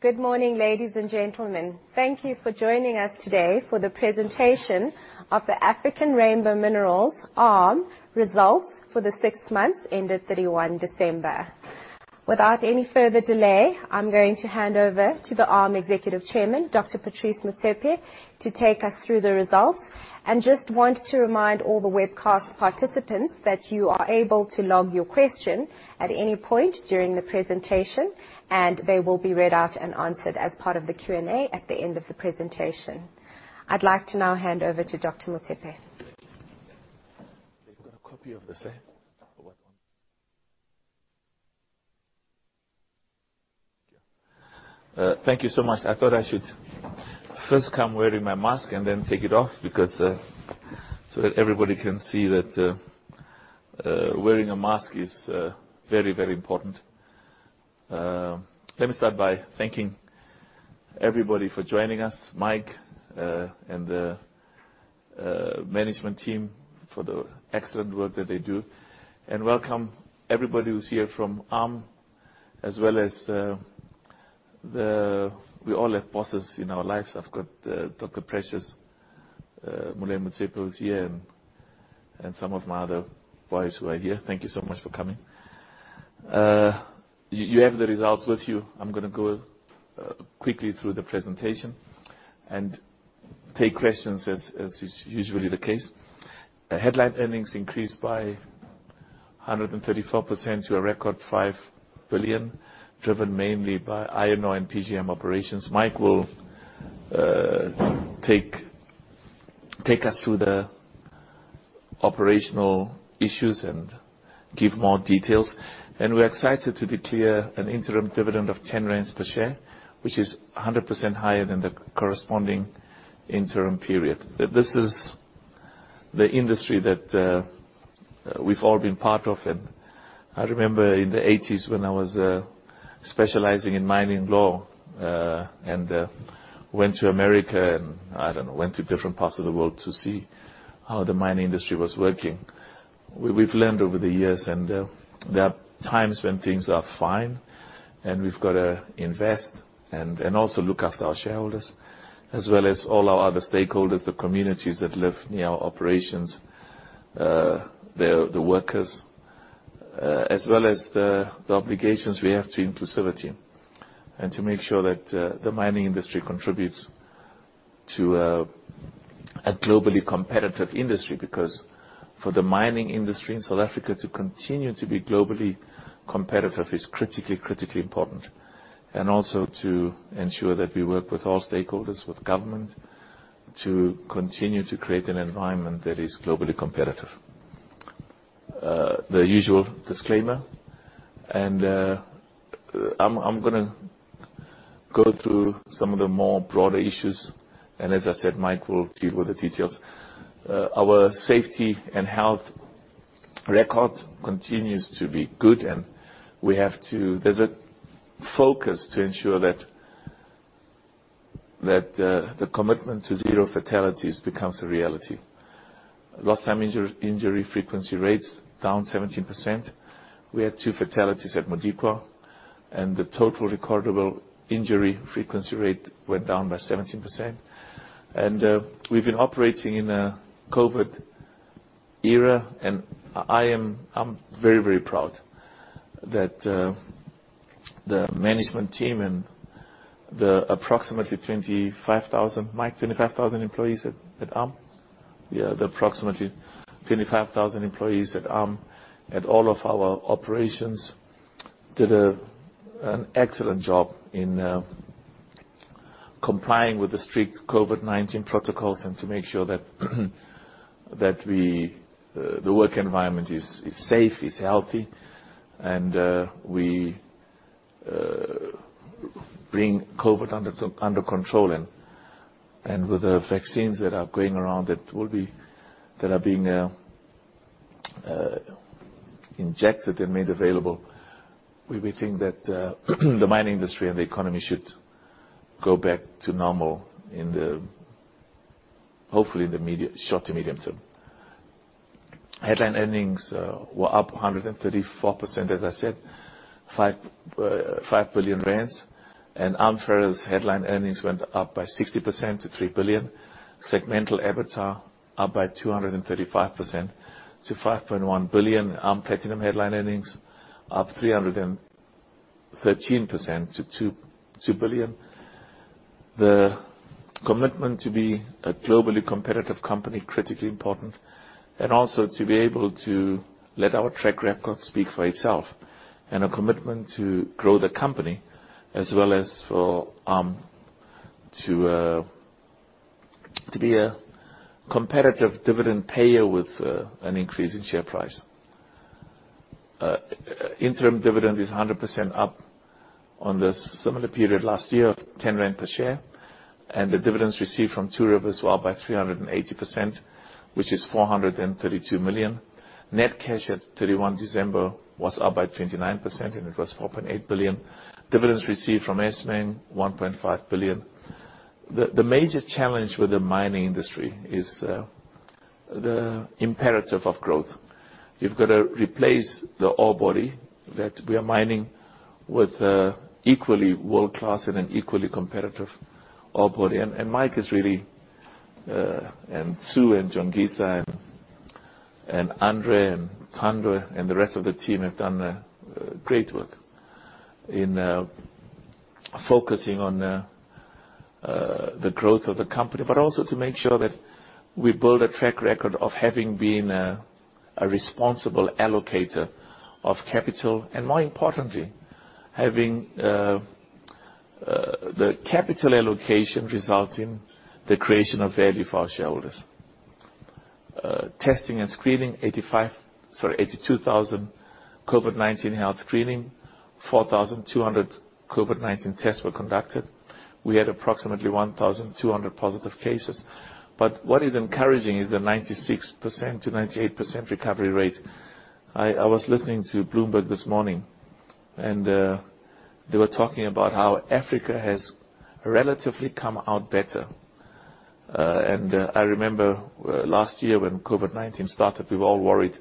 Good morning, ladies and gentlemen. Thank you for joining us today for the presentation of the African Rainbow Minerals, ARM, results for the six months ended 31 December. Without any further delay, I'm going to hand over to the ARM Executive Chairman, Dr Patrice Motsepe, to take us through the results. Just want to remind all the webcast participants that you are able to log your question at any point during the presentation, and they will be read out and answered as part of the Q&A at the end of the presentation. I'd like to now hand over to Dr Motsepe. They've got a copy of this, eh? Thank you so much. I thought I should first come wearing my mask and then take it off, so that everybody can see that wearing a mask is very important. Let me start by thanking everybody for joining us, Mike, and the management team for the excellent work that they do. Welcome everybody who's here from ARM, as well as, we all have bosses in our lives. I've got Dr. Precious Moloi-Motsepe who's here and some of my other wives who are here. Thank you so much for coming. You have the results with you. I'm going to go quickly through the presentation and take questions as is usually the case. Highlight earnings increased by 134% to a record 5 billion, driven mainly by iron ore and PGM operations. Mike will take us through the operational issues and give more details. We're excited to declare an interim dividend of 10 rand per share, which is 100% higher than the corresponding interim period. This is the industry that we've all been part of. I remember in the '80s when I was specializing in mining law and went to America and, I don't know, went to different parts of the world to see how the mining industry was working. We've learned over the years, and there are times when things are fine, and we've got to invest and also look after our shareholders as well as all our other stakeholders, the communities that live near our operations, the workers, as well as the obligations we have to inclusivity and to make sure that the mining industry contributes to a globally competitive industry. For the mining industry in South Africa to continue to be globally competitive is critically important. Also to ensure that we work with all stakeholders, with government, to continue to create an environment that is globally competitive. The usual disclaimer, I'm going to go through some of the more broader issues, as I said, Mike will deal with the details. Our safety and health record continues to be good, there's a focus to ensure that the commitment to zero fatalities becomes a reality. Lost time injury frequency rates, down 17%. We had two fatalities at Modikwa, the total recordable injury frequency rate went down by 17%. We've been operating in a COVID-19 era, I'm very proud that the management team and the approximately 25,000 Mike, 25,000 employees at ARM? Yeah, the approximately 25,000 employees at ARM at all of our operations did an excellent job in complying with the strict COVID-19 protocols and to make sure that the work environment is safe, is healthy, and we bring COVID under control. With the vaccines that are going around, that are being injected and made available, we think that the mining industry and the economy should go back to normal hopefully in the short to medium term. Headline earnings were up 134%, as I said, 5 billion rand. ARM Ferrous headline earnings went up by 60% to 3 billion. Segmental EBITDA up by 235% to 5.1 billion. ARM Platinum headline earnings up 313% to 2 billion. The commitment to be a globally competitive company, critically important, and also to be able to let our track record speak for itself and a commitment to grow the company as well as for ARM to be a competitive dividend payer with an increase in share price. Interim dividend is 100% up on the similar period last year of 10 rand per share. The dividends received from Two Rivers were up by 380%, which is 432 million. Net cash at 31 December was up by 29%, and it was 4.8 billion. Dividends received from Assmang, 1.5 billion. The major challenge with the mining industry is the imperative of growth. You've got to replace the ore body that we are mining with equally world-class and an equally competitive ore body. Mike is really, Tsu and Jongisa and Andre and Thando and the rest of the team have done great work in focusing on the growth of the company, but also to make sure that we build a track record of having been a responsible allocator of capital, and more importantly, having the capital allocation result in the creation of value for our shareholders. Testing and screening, 82,000 COVID-19 health screening, 4,200 COVID-19 tests were conducted. We had approximately 1,200 positive cases. What is encouraging is the 96%-98% recovery rate. I was listening to Bloomberg this morning and they were talking about how Africa has relatively come out better. I remember last year when COVID-19 started, we were all worried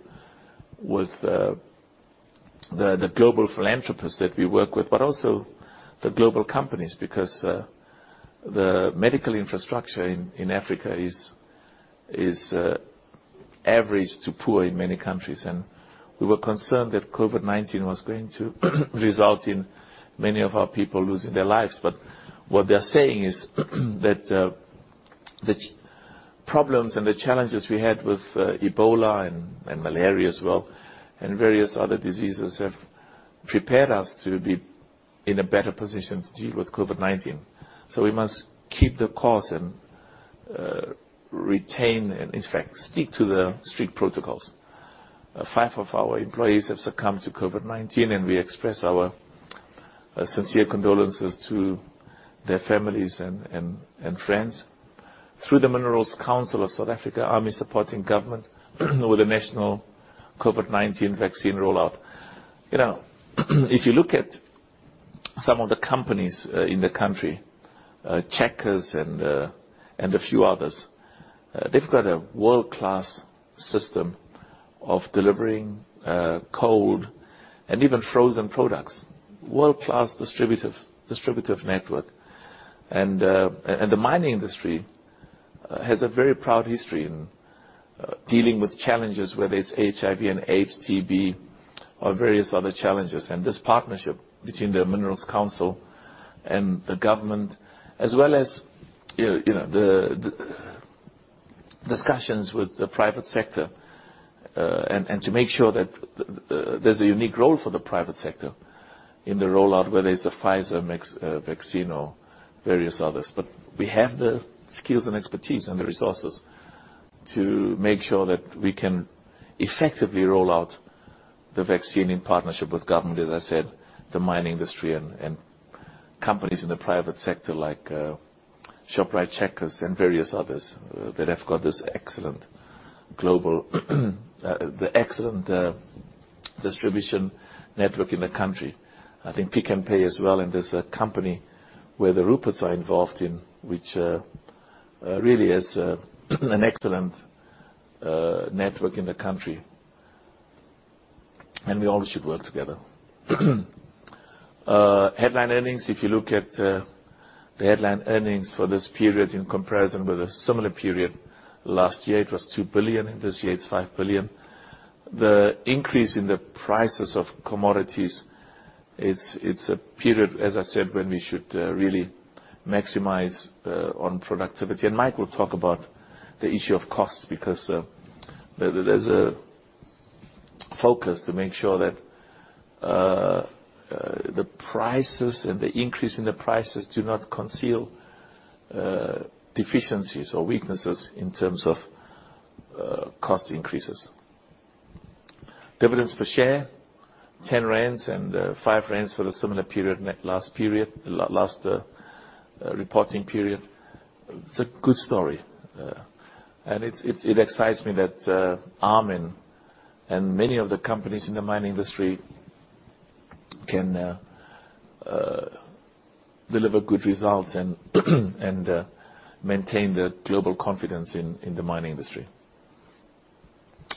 with the global philanthropists that we work with, but also the global companies, because the medical infrastructure in Africa is average to poor in many countries. We were concerned that COVID-19 was going to result in many of our people losing their lives. What they're saying is that the problems and the challenges we had with Ebola and malaria as well, and various other diseases, have prepared us to be in a better position to deal with COVID-19. We must keep the course and retain, and in fact, stick to the strict protocols. Five of our employees have succumbed to COVID-19, and we express our sincere condolences to their families and friends. Through the Minerals Council South Africa, ARM is supporting government with the national COVID-19 vaccine rollout. If you look at some of the companies in the country, Checkers and a few others, they've got a world-class system of delivering cold and even frozen products. World-class distributive network. The mining industry has a very proud history in dealing with challenges, whether it's HIV and AIDS, TB or various other challenges. This partnership between the Minerals Council and the government, as well as the discussions with the private sector, and to make sure that there's a unique role for the private sector in the rollout, whether it's the Pfizer vaccine or various others. We have the skills and expertise and the resources to make sure that we can effectively roll out the vaccine in partnership with government, as I said, the mining industry and companies in the private sector like Shoprite, Checkers and various others, that have got this excellent global the excellent distribution network in the country. I think Pick n Pay as well, and there's a company where the Ruperts are involved, which really is an excellent network in the country. We all should work together. Headline earnings. If you look at the headline earnings for this period in comparison with a similar period last year, it was 2 billion. This year it's 5 billion. The increase in the prices of commodities, it's a period, as I said, when we should really maximize on productivity. Mike will talk about the issue of cost because there is a focus to make sure that the prices and the increase in the prices do not conceal deficiencies or weaknesses in terms of cost increases. Dividends per share, 10 rand and 5 rand for the similar period, last period, last reporting period. It's a good story. It excites me that ARM and many of the companies in the mining industry can deliver good results and maintain the global confidence in the mining industry.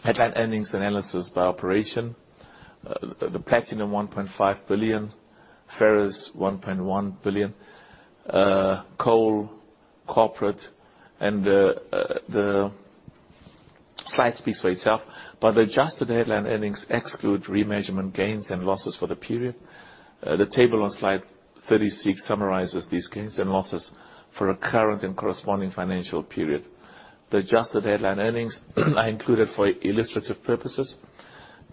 Headline earnings analysis by operation. Platinum, 1.5 billion. Ferrous, 1.1 billion. Coal, corporate, the slide speaks for itself. The adjusted headline earnings exclude remeasurement gains and losses for the period. The table on slide 36 summarizes these gains and losses for a current and corresponding financial period. The adjusted headline earnings are included for illustrative purposes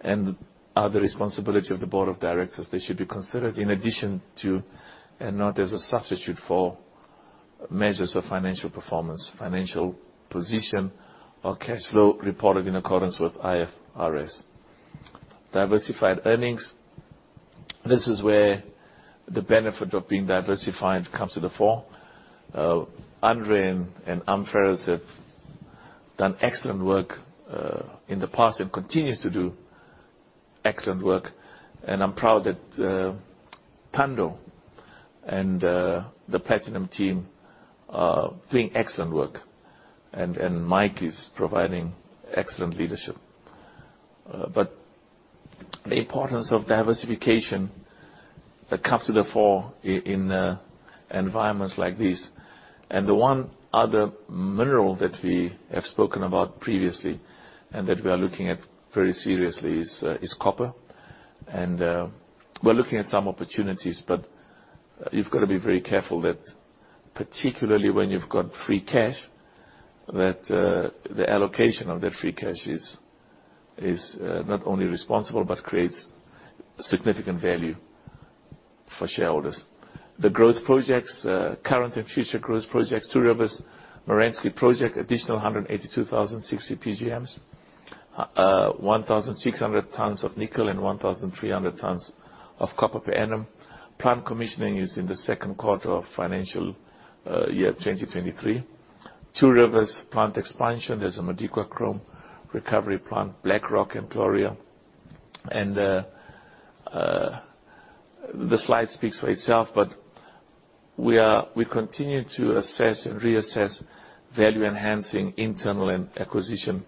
and are the responsibility of the board of directors. They should be considered in addition to, and not as a substitute for measures of financial performance, financial position or cash flow reported in accordance with IFRS. Diversified earnings. This is where the benefit of being diversified comes to the fore. Andre and ARM Ferrous have done excellent work in the past and continues to do excellent work. I'm proud that Thando and the Platinum team are doing excellent work, and Mike is providing excellent leadership. The importance of diversification that comes to the fore in environments like this, and the one other mineral that we have spoken about previously and that we are looking at very seriously, is copper. We are looking at some opportunities, but you've got to be very careful that particularly when you've got free cash, that the allocation of that free cash is not only responsible, but creates significant value for shareholders. The growth projects, current and future growth projects, Two Rivers, Merensky project, additional 182,000 6E PGMs, 1,600 tons of nickel and 1,300 tons of copper per annum. Plant commissioning is in the second quarter of financial year 2023. Two Rivers plant expansion, there is a Modikwa Chrome recovery plant, Black Rock, Gloria. The slide speaks for itself, we continue to assess and reassess value-enhancing internal and acquisition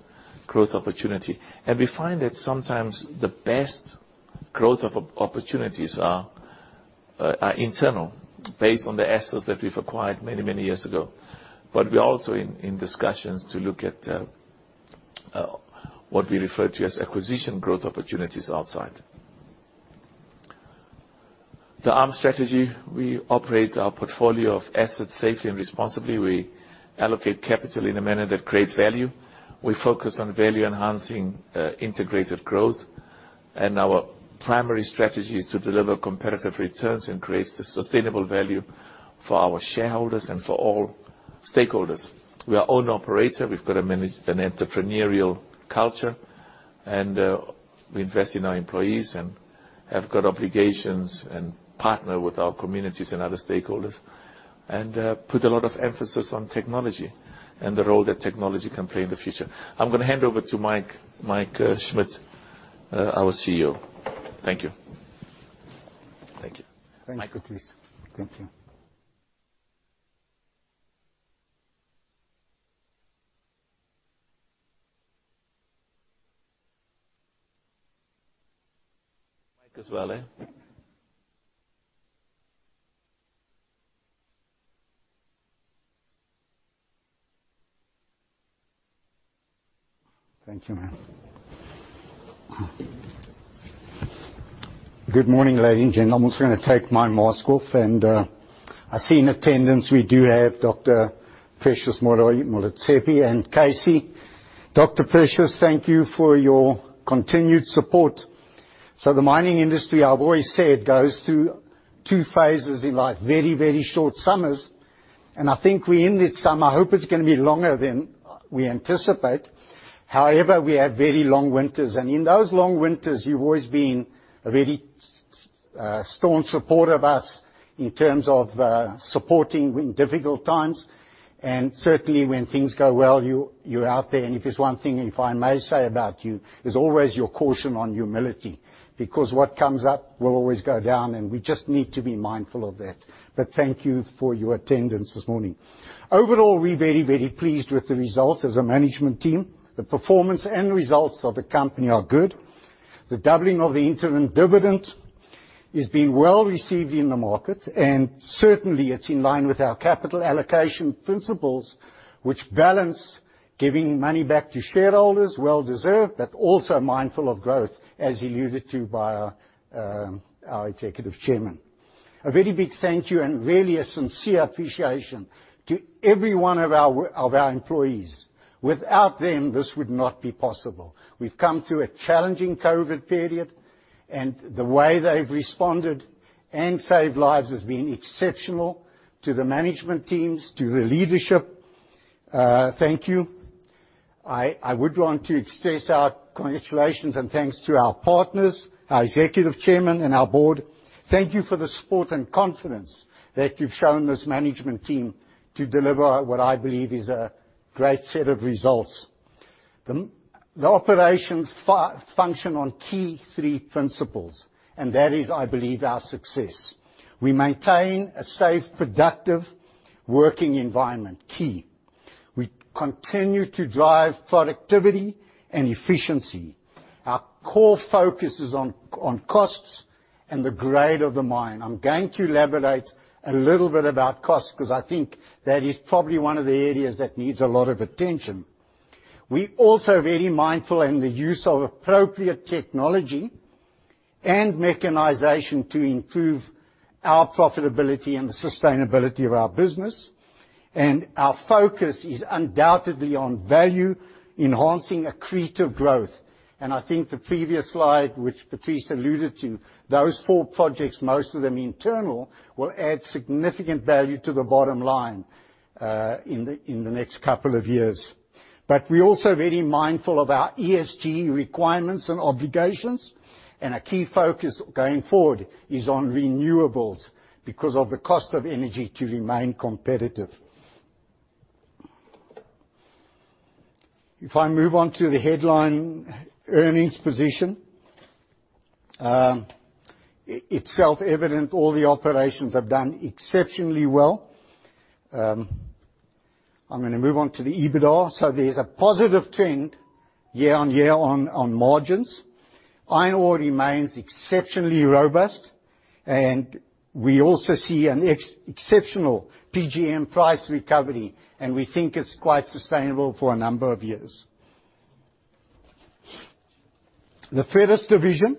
growth opportunity. We find that sometimes the best growth of opportunities are internal based on the assets that we've acquired many, many years ago. We are also in discussions to look at what we refer to as acquisition growth opportunities outside. The ARM strategy, we operate our portfolio of assets safely and responsibly. We allocate capital in a manner that creates value. We focus on value enhancing integrated growth. Our primary strategy is to deliver competitive returns and create sustainable value for our shareholders and for all stakeholders. We are owner-operator, we've got an entrepreneurial culture, and we invest in our employees and have got obligations and partner with our communities and other stakeholders. We put a lot of emphasis on technology and the role that technology can play in the future. I'm going to hand over to Mike Schmidt, our CEO. Thank you. Thank you. Mike. Thanks, Patrice. Thank you. Mike as well, eh? Thank you, ma'am. Good morning, ladies and gentlemen. I'm just going to take my mask off and I see in attendance we do have Dr. Precious Moloi-Motsepe and Casey. Dr. Precious, thank you for your continued support. The mining industry, I've always said, goes through II-phases in life, very, very short summers, and I think we ended summer. I hope it's going to be longer than we anticipate. However, we have very long winters. In those long winters, you've always been a very strong supporter of us in terms of supporting in difficult times. Certainly when things go well, you're out there. If it's one thing, if I may say about you, is always your caution on humility, because what comes up will always go down, and we just need to be mindful of that. Thank you for your attendance this morning. Overall, we're very, very pleased with the results as a management team. The performance and results of the company are good. The doubling of the interim dividend is being well received in the market, certainly it's in line with our capital allocation principles, which balance giving money back to shareholders, well deserved, but also mindful of growth, as alluded to by our Executive Chairman. Very big thank you and really a sincere appreciation to every one of our employees. Without them, this would not be possible. We've come through a challenging COVID period, the way they've responded and saved lives has been exceptional. To the management teams, to the leadership, thank you. I would want to express our congratulations and thanks to our partners, our Executive Chairman, and our board. Thank you for the support and confidence that you've shown this management team to deliver what I believe is a great set of results. The operations function on key three principles, that is, I believe, our success. We maintain a safe, productive working environment. Key. We continue to drive productivity and efficiency. Our core focus is on costs and the grade of the mine. I'm going to elaborate a little bit about cost because I think that is probably one of the areas that needs a lot of attention. We're also very mindful in the use of appropriate technology and mechanization to improve our profitability and the sustainability of our business. Our focus is undoubtedly on value enhancing accretive growth. I think the previous slide, which Patrice alluded to, those four projects, most of them internal, will add significant value to the bottom line in the next couple of years. We're also very mindful of our ESG requirements and obligations, and a key focus going forward is on renewables because of the cost of energy to remain competitive. If I move on to the headline earnings position, it's self-evident all the operations have done exceptionally well. I'm going to move on to the EBITDA. There's a positive trend year-on-year on margins. Iron ore remains exceptionally robust, and we also see an exceptional PGM price recovery, and we think it's quite sustainable for a number of years. The Ferrous Division.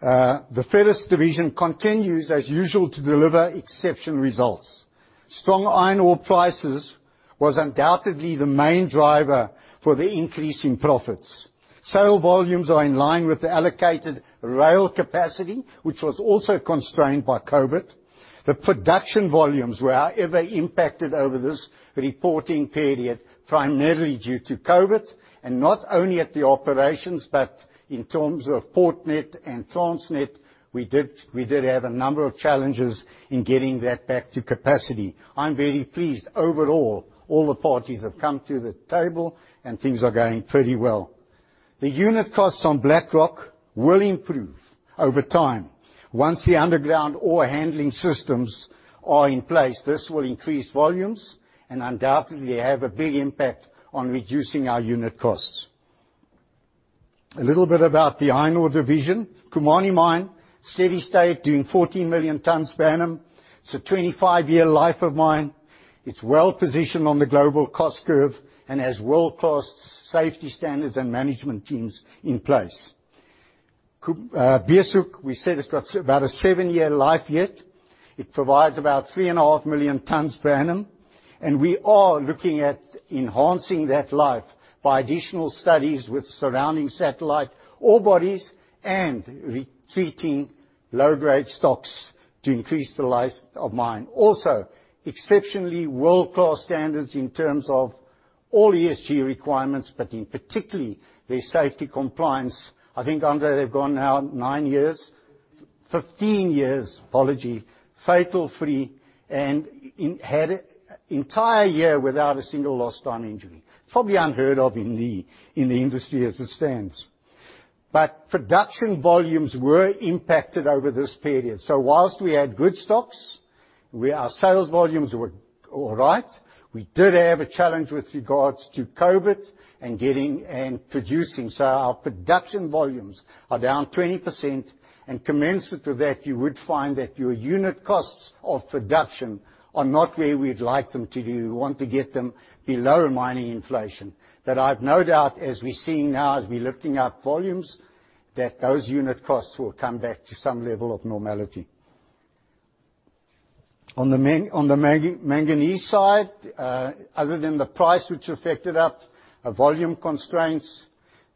The Ferrous Division continues as usual to deliver exceptional results. Strong iron ore prices was undoubtedly the main driver for the increase in profits. Sale volumes are in line with the allocated rail capacity, which was also constrained by COVID. The production volumes were, however, impacted over this reporting period, primarily due to COVID and not only at the operations, but in terms of Portnet and Transnet, we did have a number of challenges in getting that back to capacity. I'm very pleased overall, all the parties have come to the table and things are going pretty well. The unit costs on Black Rock will improve over time. Once the underground ore handling systems are in place, this will increase volumes and undoubtedly have a big impact on reducing our unit costs. A little bit about the Iron Ore division. Khumani Mine, steady state, doing 14 million tons per annum. It's a 25-year life of mine. It's well positioned on the global cost curve and has world-class safety standards and management teams in place. Beeshoek, we said it's got about a 7-year life yet. It provides about 3.5 million tons per annum, we are looking at enhancing that life by additional studies with surrounding satellite ore bodies and retreating low-grade stocks to increase the life of mine. Exceptionally world-class standards in terms of all ESG requirements, but in particularly their safety compliance. I think, Andre, they've gone now 15 years fatal-free and had entire year without a single lost time injury. Probably unheard of in the industry as it stands. Production volumes were impacted over this period. Whilst we had good stocks, our sales volumes were all right. We did have a challenge with regards to COVID-19 and getting and producing. Our production volumes are down 20%, and commensurate with that, you would find that your unit costs of production are not where we would like them to be. We want to get them below mining inflation. That I have no doubt, as we are seeing now, as we are lifting up volumes, that those unit costs will come back to some level of normality. On the manganese side, other than the price which affected up volume constraints,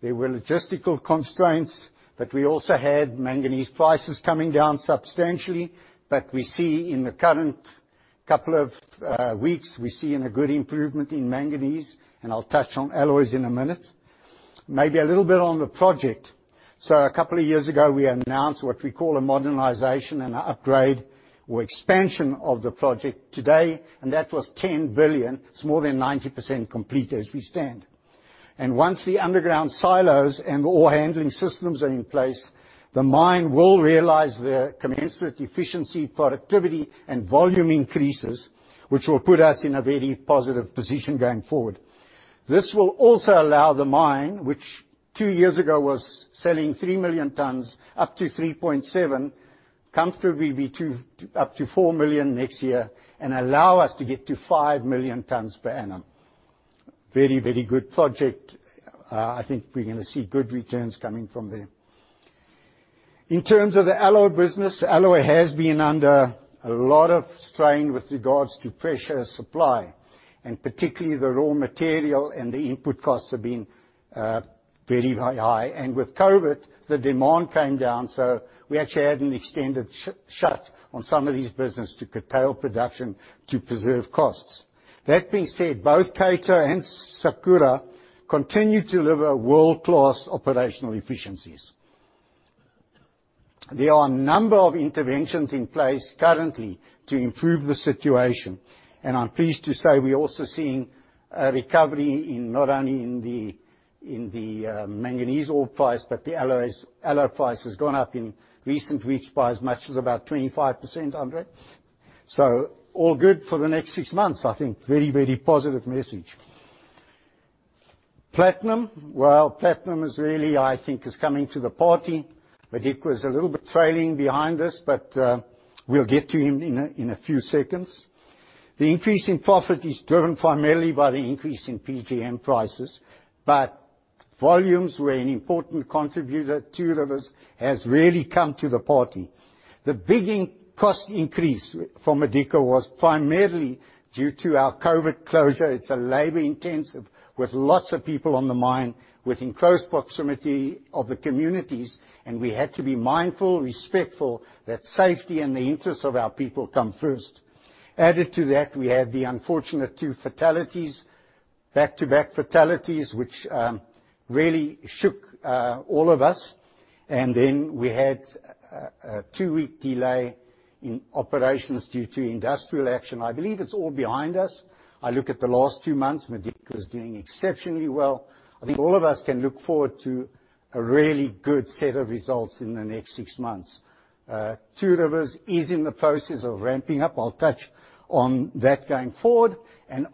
there were logistical constraints, but we also had manganese prices coming down substantially. We see in the current couple of weeks, we are seeing a good improvement in manganese, and I will touch on alloys in a minute. Maybe a little bit on the project. A couple of years ago, we announced what we call a modernization and an upgrade or expansion of the project today, and that was 10 billion. It's more than 90% complete as we stand. Once the underground silos and ore handling systems are in place, the mine will realize their commensurate efficiency, productivity, and volume increases, which will put us in a very positive position going forward. This will also allow the mine, which two years ago was selling 3 million tons up to 3.7, comfortably be up to 4 million next year and allow us to get to 5 million tons per annum. Very good project. I think we're going to see good returns coming from there. In terms of the Alloy business, Alloy has been under a lot of strain with regards to pressure supply, and particularly the raw material and the input costs have been very high. With COVID, the demand came down, so we actually had an extended shut on some of these business to curtail production to preserve costs. That being said, both Cato and Sakura continue to deliver world-class operational efficiencies. There are a number of interventions in place currently to improve the situation. I'm pleased to say we're also seeing a recovery in not only in the manganese ore price, but the alloy price has gone up in recent weeks by as much as about 25%, Andre. All good for the next six months, I think. Very positive message. Platinum. Platinum is really, I think, is coming to the party. It was a little bit trailing behind us, we'll get to him in a few seconds. The increase in profit is driven primarily by the increase in PGM prices. Volumes were an important contributor to that has really come to the party. The big cost increase for Modikwa was primarily due to our COVID closure. It's labor intensive with lots of people on the mine within close proximity of the communities, and we had to be mindful, respectful that safety and the interests of our people come first. Added to that, we had the unfortunate two fatalities, back-to-back fatalities, which really shook all of us. Then we had a two-week delay in operations due to industrial action. I believe it's all behind us. I look at the last two months, Modikwa is doing exceptionally well. I think all of us can look forward to a really good set of results in the next six months. Two Rivers is in the process of ramping up. I'll touch on that going forward.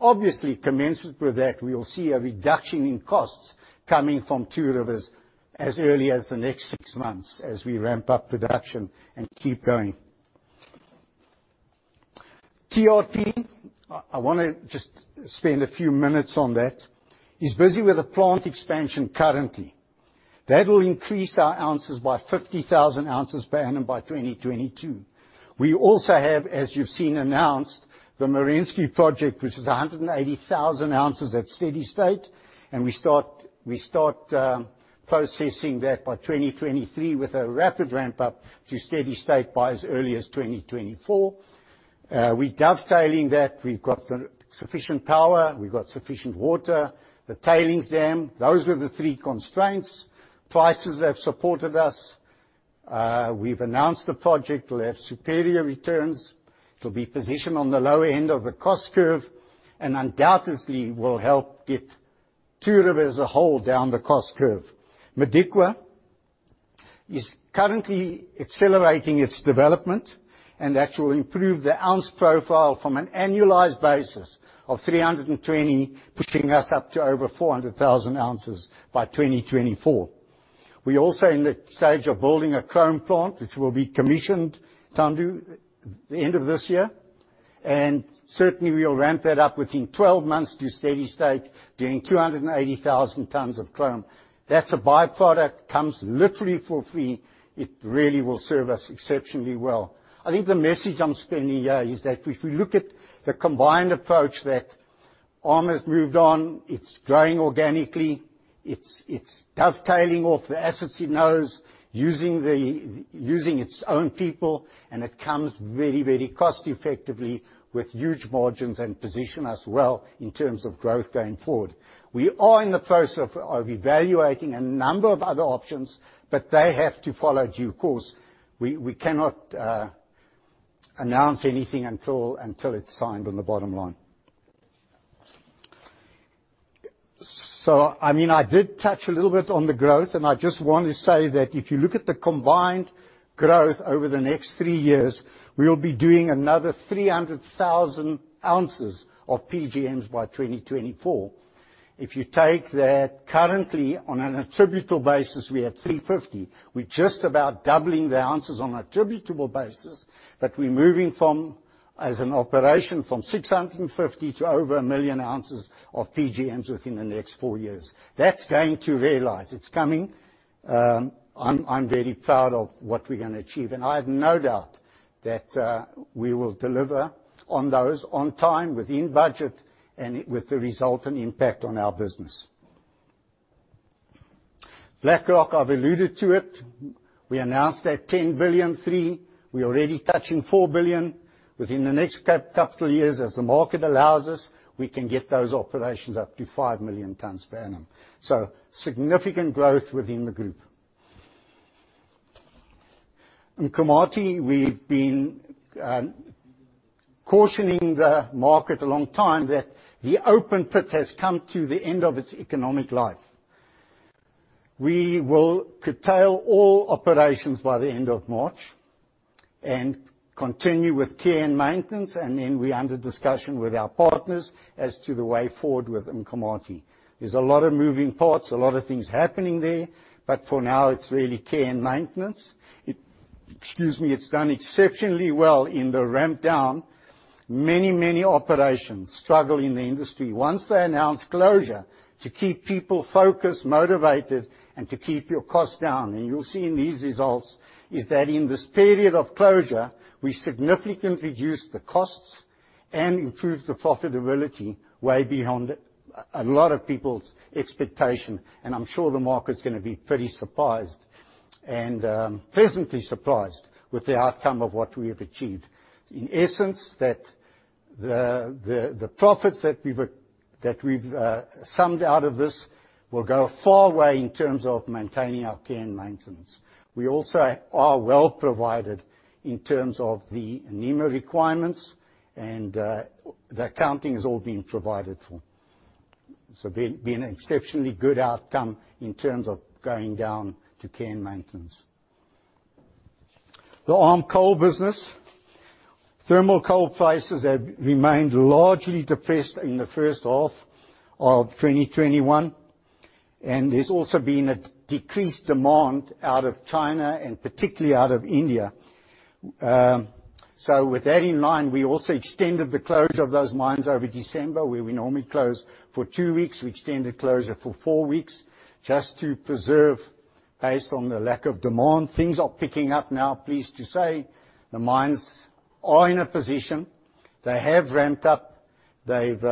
Obviously, commencement with that, we will see a reduction in costs coming from Two Rivers as early as the next six months as we ramp up production and keep going. TRP, I want to just spend a few minutes on that. It is busy with a plant expansion currently. That will increase our ounces by 50,000 oz per annum by 2022. We also have, as you've seen announced, the Merensky project, which is 180,000 oz at steady state. We start processing that by 2023 with a rapid ramp-up to steady state by as early as 2024. We're dovetailing that. We've got sufficient power, we've got sufficient water, the tailings dam. Those were the three constraints. Prices have supported us. We've announced the project will have superior returns. It'll be positioned on the lower end of the cost curve. Undoubtedly will help get Two Rivers as a whole down the cost curve. Modikwa is currently accelerating its development. That will improve the ounce profile from an annualized basis of 320, pushing us up to over 400,000 oz by 2024. We're also in the stage of building a chrome plant, which will be commissioned toward the end of this year. Certainly we'll ramp that up within 12 months to steady state, doing 280,000 tons of chrome. That's a byproduct, comes literally for free. It really will serve us exceptionally well. I think the message I'm spending here is that if we look at the combined approach that ARM has moved on, it's growing organically, it's dovetailing off the assets it knows, using its own people, and it comes very cost effectively with huge margins and position us well in terms of growth going forward. We are in the process of evaluating a number of other options, they have to follow due course. We cannot announce anything until it's signed on the bottom line. I did touch a little bit on the growth, and I just want to say that if you look at the combined growth over the next 3 years, we will be doing another 300,000 oz of PGMs by 2024. If you take that currently on an attributable basis, we're at 350. We're just about doubling the ounces on attributable basis, but we're moving from, as an operation, from 650 to over 1 million ounces of PGMs within the next 4 years. That's going to realize. It's coming. I'm very proud of what we're going to achieve. I have no doubt that we will deliver on those on time, within budget, and with the result and impact on our business. Black Rock, I've alluded to it. We announced that 10 billion, 3 billion. We're already touching 4 billion within the next couple of years. As the market allows us, we can get those operations up to 5 million tons per annum. Significant growth within the group. Nkomati, we've been cautioning the market a long time that the open pit has come to the end of its economic life. We will curtail all operations by the end of March and continue with care and maintenance, we under discussion with our partners as to the way forward with Nkomati. There's a lot of moving parts, a lot of things happening there. For now, it's really care and maintenance. It's done exceptionally well in the ramp down. Many operations struggle in the industry once they announce closure to keep people focused, motivated, and to keep your costs down. You'll see in these results is that in this period of closure, we significantly reduced the costs and improved the profitability way beyond a lot of people's expectation. I'm sure the market's going to be pretty surprised and pleasantly surprised with the outcome of what we have achieved. In essence, the profits that we've summed out of this will go a far way in terms of maintaining our care and maintenance. We also are well-provided in terms of the NEMA requirements and the accounting has all been provided for. It's been an exceptionally good outcome in terms of going down to care and maintenance. The ARM Coal business. Thermal coal prices have remained largely depressed in the first half of 2021, and there's also been a decreased demand out of China and particularly out of India. With that in mind, we also extended the closure of those mines over December, where we normally close for 2 weeks, we extended closure for 4 weeks just to preserve based on the lack of demand. Things are picking up now, pleased to say. The mines are in a position. They have ramped up. They've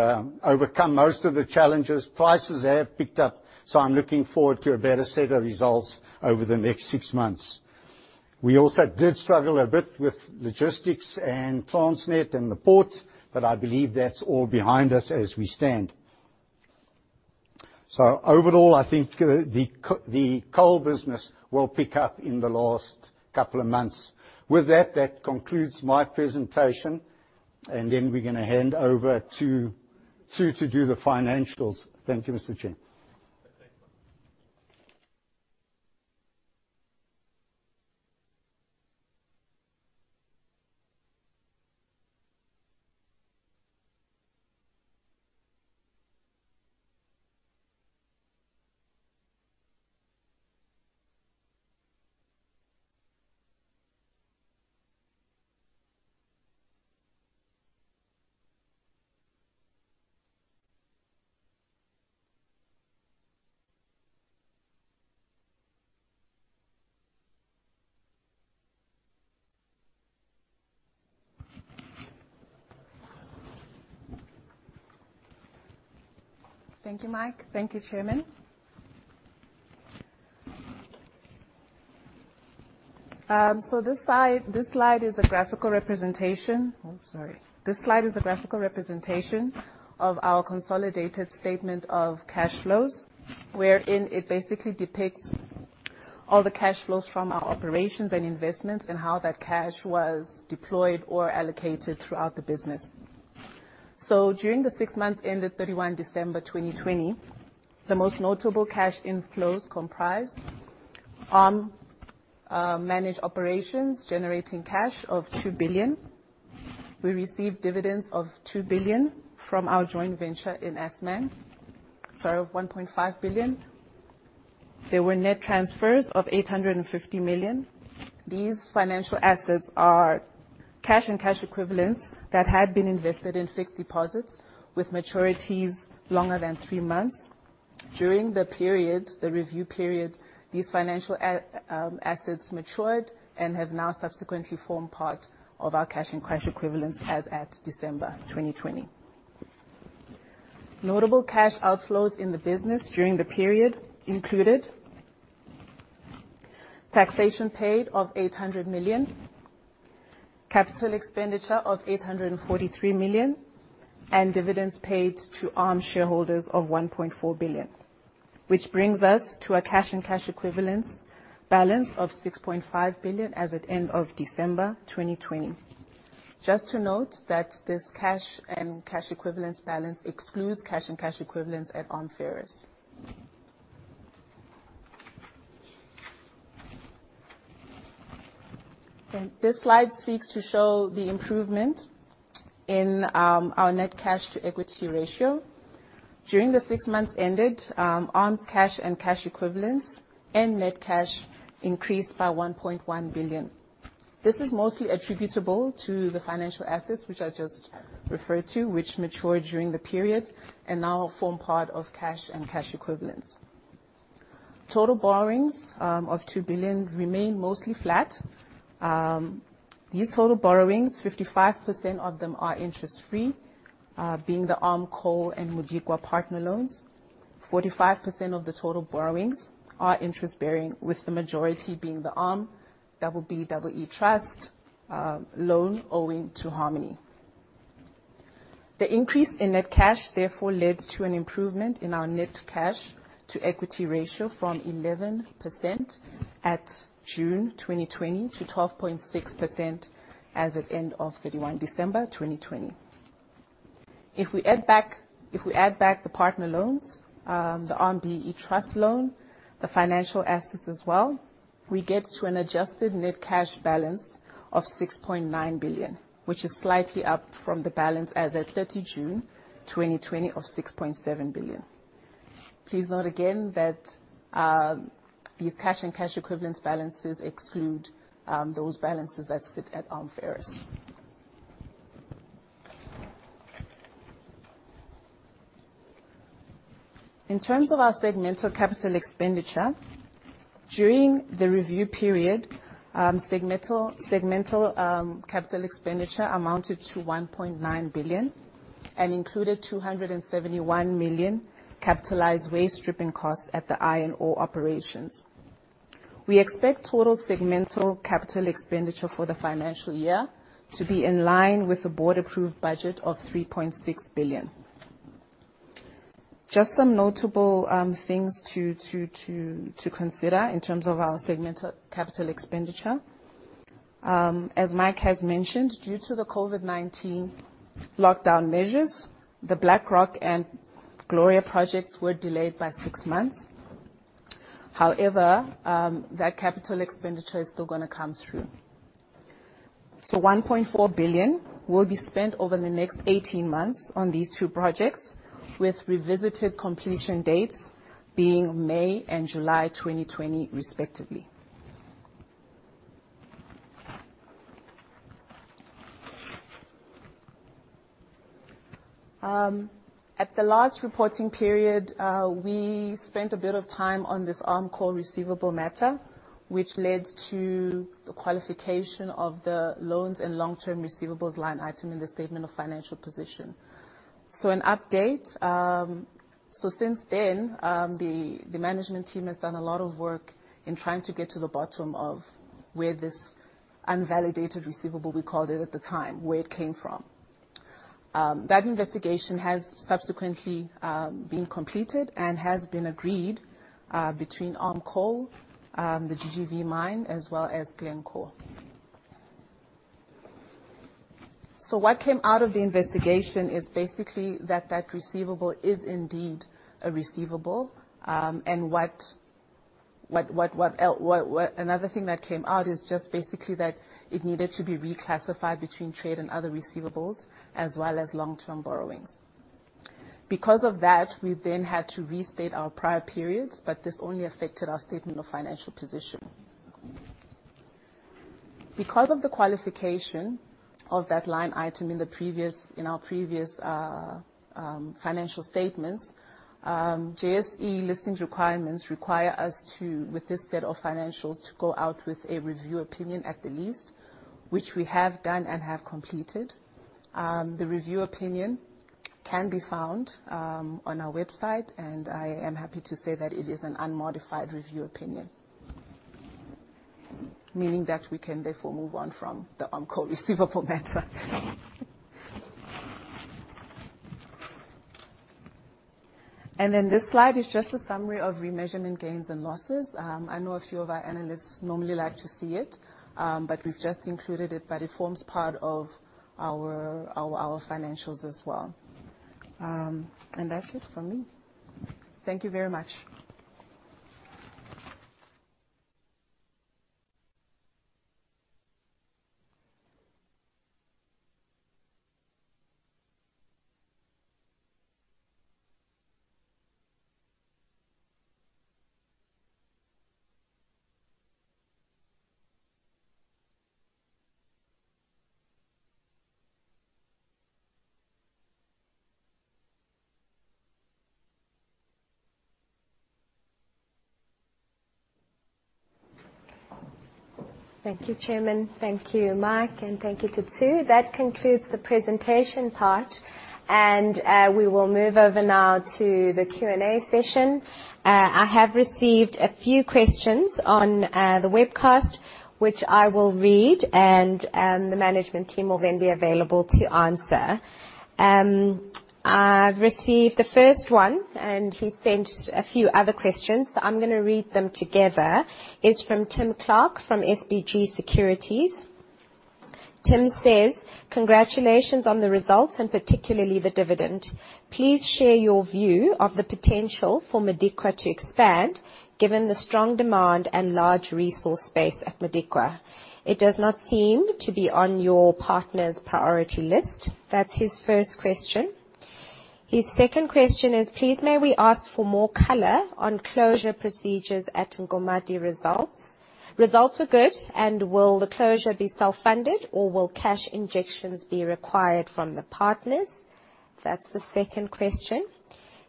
overcome most of the challenges. Prices have picked up, so I'm looking forward to a better set of results over the next 6 months. We also did struggle a bit with logistics and Transnet and the port, but I believe that's all behind us as we stand. Overall, I think the coal business will pick up in the last couple of months. With that concludes my presentation, and then we're going to hand over to Tsu to do the financials. Thank you, Mr. Chair. Thank you, Mike. Thank you, Chairman. This slide is a graphical representation. Oh, sorry. This slide is a graphical representation of our consolidated statement of cash flows, wherein it basically depicts all the cash flows from our operations and investments and how that cash was deployed or allocated throughout the business. During the six months ended 31 December 2020, the most notable cash inflows comprised ARM managed operations generating cash of 2 billion. We received dividends of 2 billion from our joint venture in Assmang. Sorry, of 1.5 billion. There were net transfers of 850 million. These financial assets are cash and cash equivalents that had been invested in fixed deposits with maturities longer than three months. During the review period, these financial assets matured and have now subsequently formed part of our cash and cash equivalents as at December 2020. Notable cash outflows in the business during the period included taxation paid of 800 million, capital expenditure of 843 million, and dividends paid to ARM shareholders of 1.4 billion, which brings us to a cash and cash equivalents balance of 6.5 billion as at end of December 2020. Just to note that this cash and cash equivalents balance excludes cash and cash equivalents at ARM Ferrous. This slide seeks to show the improvement in our net cash to equity ratio. During the six months ended, ARM's cash and cash equivalents and net cash increased by 1.1 billion. This is mostly attributable to the financial assets, which I just referred to, which matured during the period and now form part of cash and cash equivalents. Total borrowings of 2 billion remain mostly flat. These total borrowings, 55% of them are interest-free, being the ARM Coal and Modikwa partner loans. 45% of the total borrowings are interest bearing, with the majority being the ARM BBEE Trust loan owing to Harmony. The increase in net cash therefore led to an improvement in our net cash to equity ratio from 11% at June 2020 to 12.6% as at end of 31 December 2020. If we add back the partner loans, the ARM BBEE Trust loan, the financial assets as well, we get to an adjusted net cash balance of 6.9 billion, which is slightly up from the balance as at 30 June 2020 of 6.7 billion. Please note again that these cash and cash equivalents balances exclude those balances that sit at ARM Ferrous. In terms of our segmental capital expenditure, during the review period, segmental capital expenditure amounted to 1.9 billion and included 271 million capitalized waste stripping costs at the iron ore operations. We expect total segmental capital expenditure for the financial year to be in line with the board-approved budget of 3.6 billion. Just some notable things to consider in terms of our segmental capital expenditure. As Mike has mentioned, due to the COVID-19 lockdown measures, the Black Rock and Gloria projects were delayed by six months. That capital expenditure is still gonna come through. 1.4 billion will be spent over the next 18 months on these two projects, with revisited completion dates being May and July 2020, respectively. At the last reporting period, we spent a bit of time on this ARM Coal receivable matter, which led to the qualification of the loans and long-term receivables line item in the statement of financial position. An update. Since then, the management team has done a lot of work in trying to get to the bottom of where Unvalidated Receivable, we called it at the time, where it came from. That investigation has subsequently been completed and has been agreed between ARM Coal, the GGV mine, as well as Glencore. What came out of the investigation is basically that receivable is indeed a receivable. Another thing that came out is just basically that it needed to be reclassified between trade and other receivables, as well as long-term borrowings. Because of that, we then had to restate our prior periods, but this only affected our statement of financial position. Because of the qualification of that line item in our previous financial statements, JSE listings requirements require us to, with this set of financials, to go out with a review opinion at the least, which we have done and have completed. The review opinion can be found on our website, I am happy to say that it is an unmodified review opinion, meaning that we can therefore move on from the ARM Coal receivable matter. This slide is just a summary of remeasurement gains and losses. I know a few of our analysts normally like to see it, but we've just included it, but it forms part of our financials as well. That's it for me. Thank you very much. Thank you, Chairman. Thank you, Mike, and thank you to Tsu. That concludes the presentation part, and we will move over now to the Q&A session. I have received a few questions on the webcast, which I will read, and the management team will then be available to answer. I've received the first one, and he sent a few other questions. I'm going to read them together. It's from Tim Clark from SBG Securities. Tim says, "Congratulations on the results and particularly the dividend. Please share your view of the potential for Modikwa to expand, given the strong demand and large resource space at Modikwa. It does not seem to be on your partner's priority list." That's his first question. His second question is, "Please, may we ask for more color on closure procedures at Nkomati results? Results were good, and will the closure be self-funded or will cash injections be required from the partners?" That's the second question.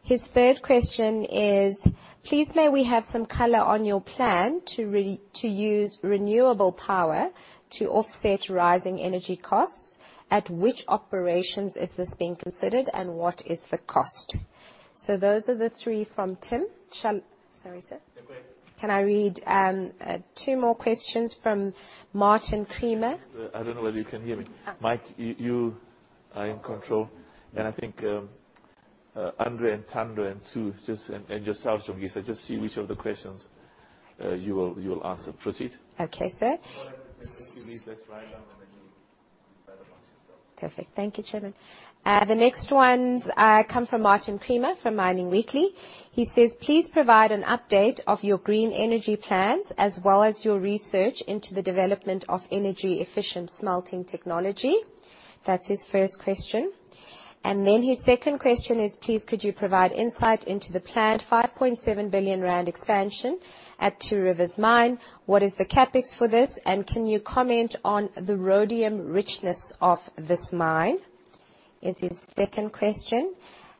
His third question is, "Please, may we have some color on your plan to use renewable power to offset rising energy costs? At which operations is this being considered, and what is the cost?" Those are the three from Tim. Sorry, sir. Can I read two more questions from Martin Creamer? I don't know whether you can hear me. Mike, you are in control, and I think Andre and Thando and Tsu and yourself, Jongisa, just see which of the questions you will answer. Proceed. Okay, sir. If you need this write down and then you decide among yourselves. Perfect. Thank you, Chairman. The next ones come from Martin Creamer from Mining Weekly. He says, "Please provide an update of your green energy plans as well as your research into the development of energy-efficient smelting technology." That's his first question. His second question is, "Please, could you provide insight into the planned 5.7 billion rand expansion at Two Rivers Mine? What is the CapEx for this, and can you comment on the rhodium richness of this mine?" Is his second question.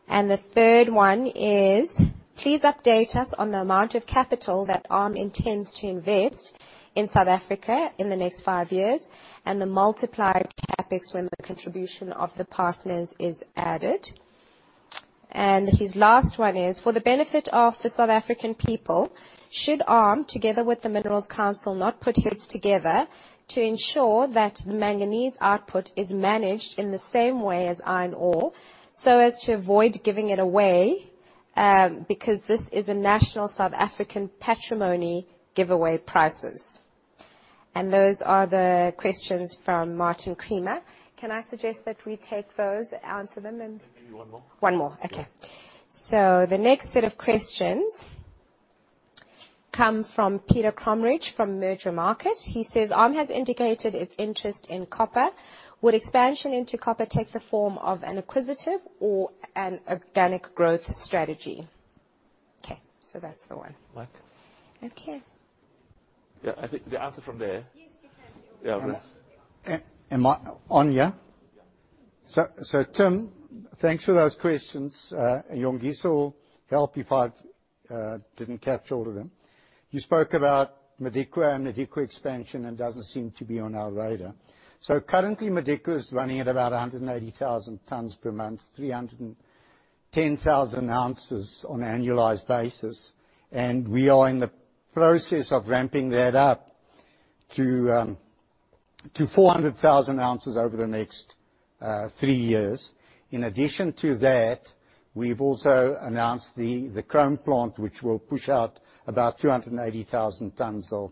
The third one is, "Please update us on the amount of capital that ARM intends to invest in South Africa in the next five years, and the multiplied CapEx when the contribution of the partners is added." His last one is, "For the benefit of the South African people, should ARM, together with the Minerals Council, not put heads together to ensure that the manganese output is managed in the same way as iron ore so as to avoid giving it away because this is a national South African patrimony giveaway prices." Those are the questions from Martin Creamer. Can I suggest that we take those, answer them and. Maybe one more. One more. Okay. The next set of questions come from Peter Cromberge from Mergermarket. He says, "ARM has indicated its interest in copper. Would expansion into copper take the form of an acquisitive or an organic growth strategy?" That's the one. Mike. Okay. Yeah. I think the answer from there. Yeah. Am I on, yeah? Yeah. Tim, thanks for those questions. Jongisa will help if I didn't capture all of them. You spoke about Modikwa and Modikwa expansion and doesn't seem to be on our radar. Currently, Modikwa is running at about 180,000 tons per month, 310. 10,000 oz on an annualized basis. We are in the process of ramping that up to 400,000 oz over the next three years. In addition to that, we've also announced the chrome plant which will push out about 280,000 tonnes of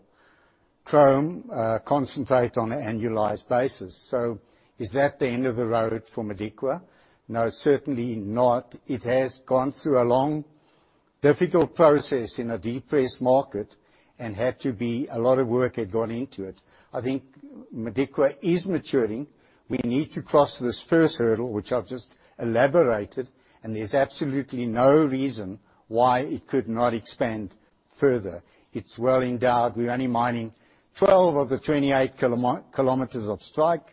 chrome concentrate on an annualized basis. Is that the end of the road for Modikwa? No, certainly not. It has gone through a long, difficult process in a depressed market and a lot of work had gone into it. I think Modikwa is maturing. We need to cross this first hurdle, which I've just elaborated, and there's absolutely no reason why it could not expand further. It's well endowed. We're only mining 12 of the 28 km of strike.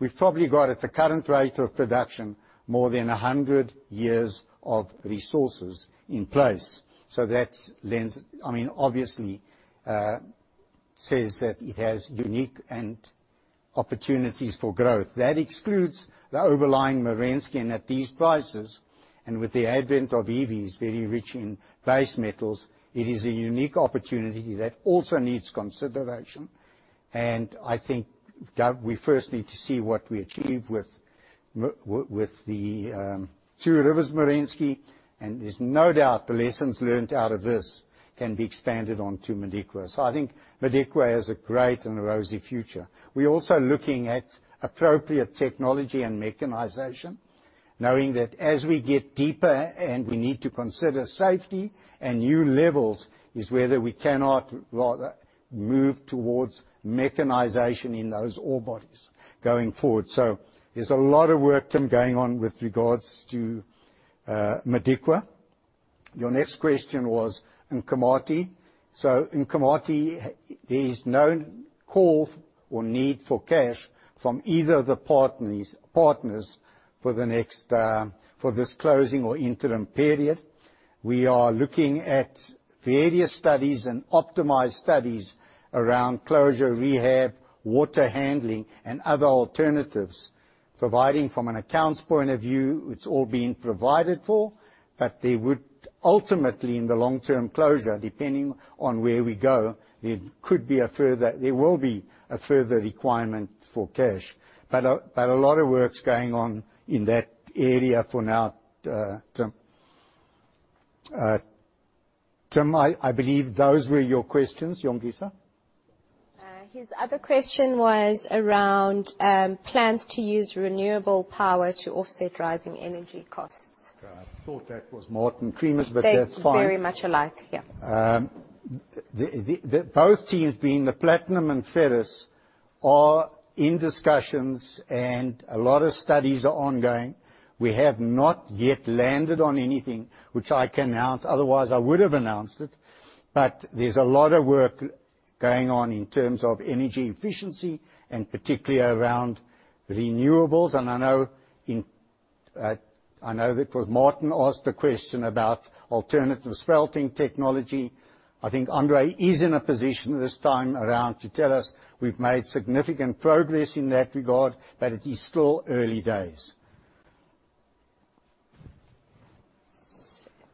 We've probably got, at the current rate of production, more than 100 years of resources in place. That, obviously, says that it has unique and opportunities for growth. That excludes the overlying Merensky and at these prices, and with the advent of EVs, very rich in base metals, it is a unique opportunity that also needs consideration. I think we first need to see what we achieve with the Two Rivers Merensky, and there's no doubt the lessons learned out of this can be expanded on to Modikwa. I think Modikwa has a great and a rosy future. We're also looking at appropriate technology and mechanization, knowing that as we get deeper and we need to consider safety and new levels, is whether we cannot rather move towards mechanization in those ore bodies going forward. There's a lot of work, Tim, going on with regards to Modikwa. Your next question was Nkomati. Nkomati, there is no call or need for cash from either of the partners for this closing or interim period. We are looking at various studies and optimized studies around closure, rehab, water handling and other alternatives, providing from an accounts point of view, it's all been provided for, but there would ultimately, in the long-term closure, depending on where we go, there will be a further requirement for cash. A lot of work's going on in that area for now, Tim. Tim, I believe those were your questions. Jongisa? His other question was around plans to use renewable power to offset rising energy costs. I thought that was Martin Creamer's, but that's fine. They're very much alike, yeah. Both teams, being the platinum and ferrous, are in discussions and a lot of studies are ongoing. We have not yet landed on anything which I can announce, otherwise I would have announced it. There's a lot of work going on in terms of energy efficiency and particularly around renewables, and I know that Martin asked a question about alternative smelting technology. I think Andre is in a position this time around to tell us we've made significant progress in that regard, but it is still early days.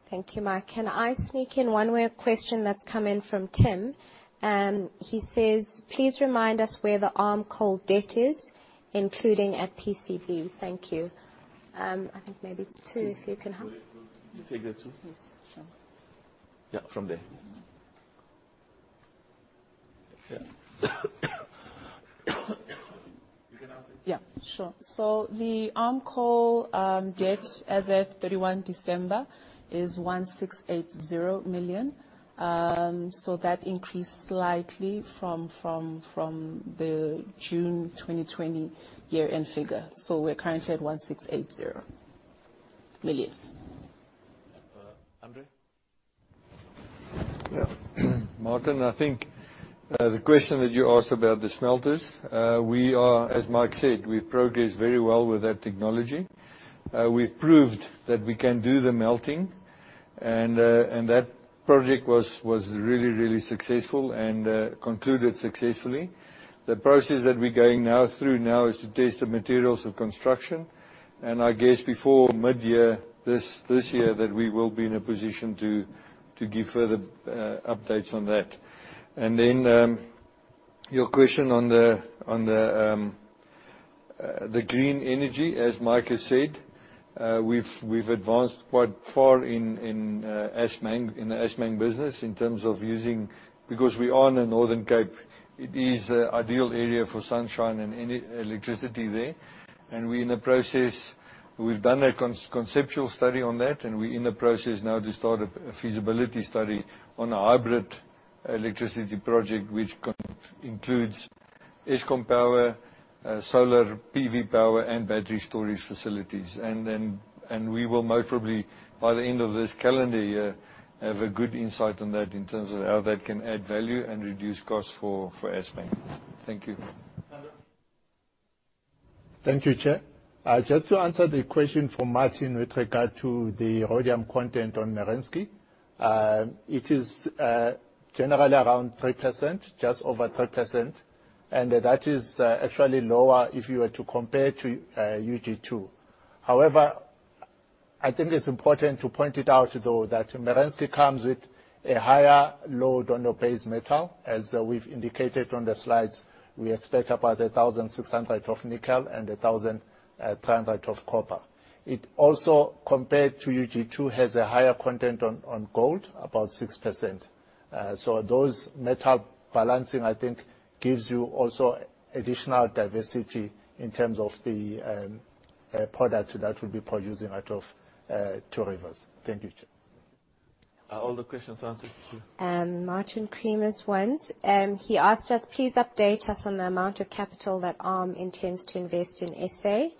Thank you, Mike. Can I sneak in one question that's come in from Tim? He says, "Please remind us where the ARM Coal debt is, including at PCB. Thank you." I think maybe Tsu, if you can help. You take them Tsu? Yes, sure. Yeah, from there. Yeah. You can answer. Yeah. Sure. The ARM Coal debt as at 31 December is 1,680 million. That increased slightly from the June 2020 year-end figure. We're currently at 1,680 million. Andre? Martin, I think, the question that you asked about the smelters, as Mike said, we've progressed very well with that technology. We've proved that we can do the melting. That project was really successful and concluded successfully. The process that we're going through now is to test the materials of construction. I guess before mid-year this year that we will be in a position to give further updates on that. Your question on the green energy, as Mike has said, we've advanced quite far in the Assmang business in terms of because we are in the Northern Cape, it is an ideal area for sunshine and any electricity there. We're in the process. We've done a conceptual study on that, and we're in the process now to start a feasibility study on a hybrid electricity project, which includes Eskom power, solar PV power, and battery storage facilities. We will most probably, by the end of this calendar year, have a good insight on that in terms of how that can add value and reduce costs for Assmang. Thank you. Thank you, Chair. Just to answer the question from Martin with regard to the rhodium content on Merensky. It is generally around 3%, just over 3%, and that is actually lower if you were to compare to UG2. I think it's important to point it out, though, that Merensky comes with a higher load on your base metal. As we've indicated on the slides, we expect about 1,600 of nickel and 1,300 of copper. It also, compared to UG2, has a higher content on gold, about 6%. Those metal balancing, I think, gives you also additional diversity in terms of the product that we'll be producing out of Two Rivers. Thank you, Chair. Are all the questions answered? Thank you. Martin Creamer is one. He asked us, "Please update us on the amount of capital that ARM intends to invest in SA,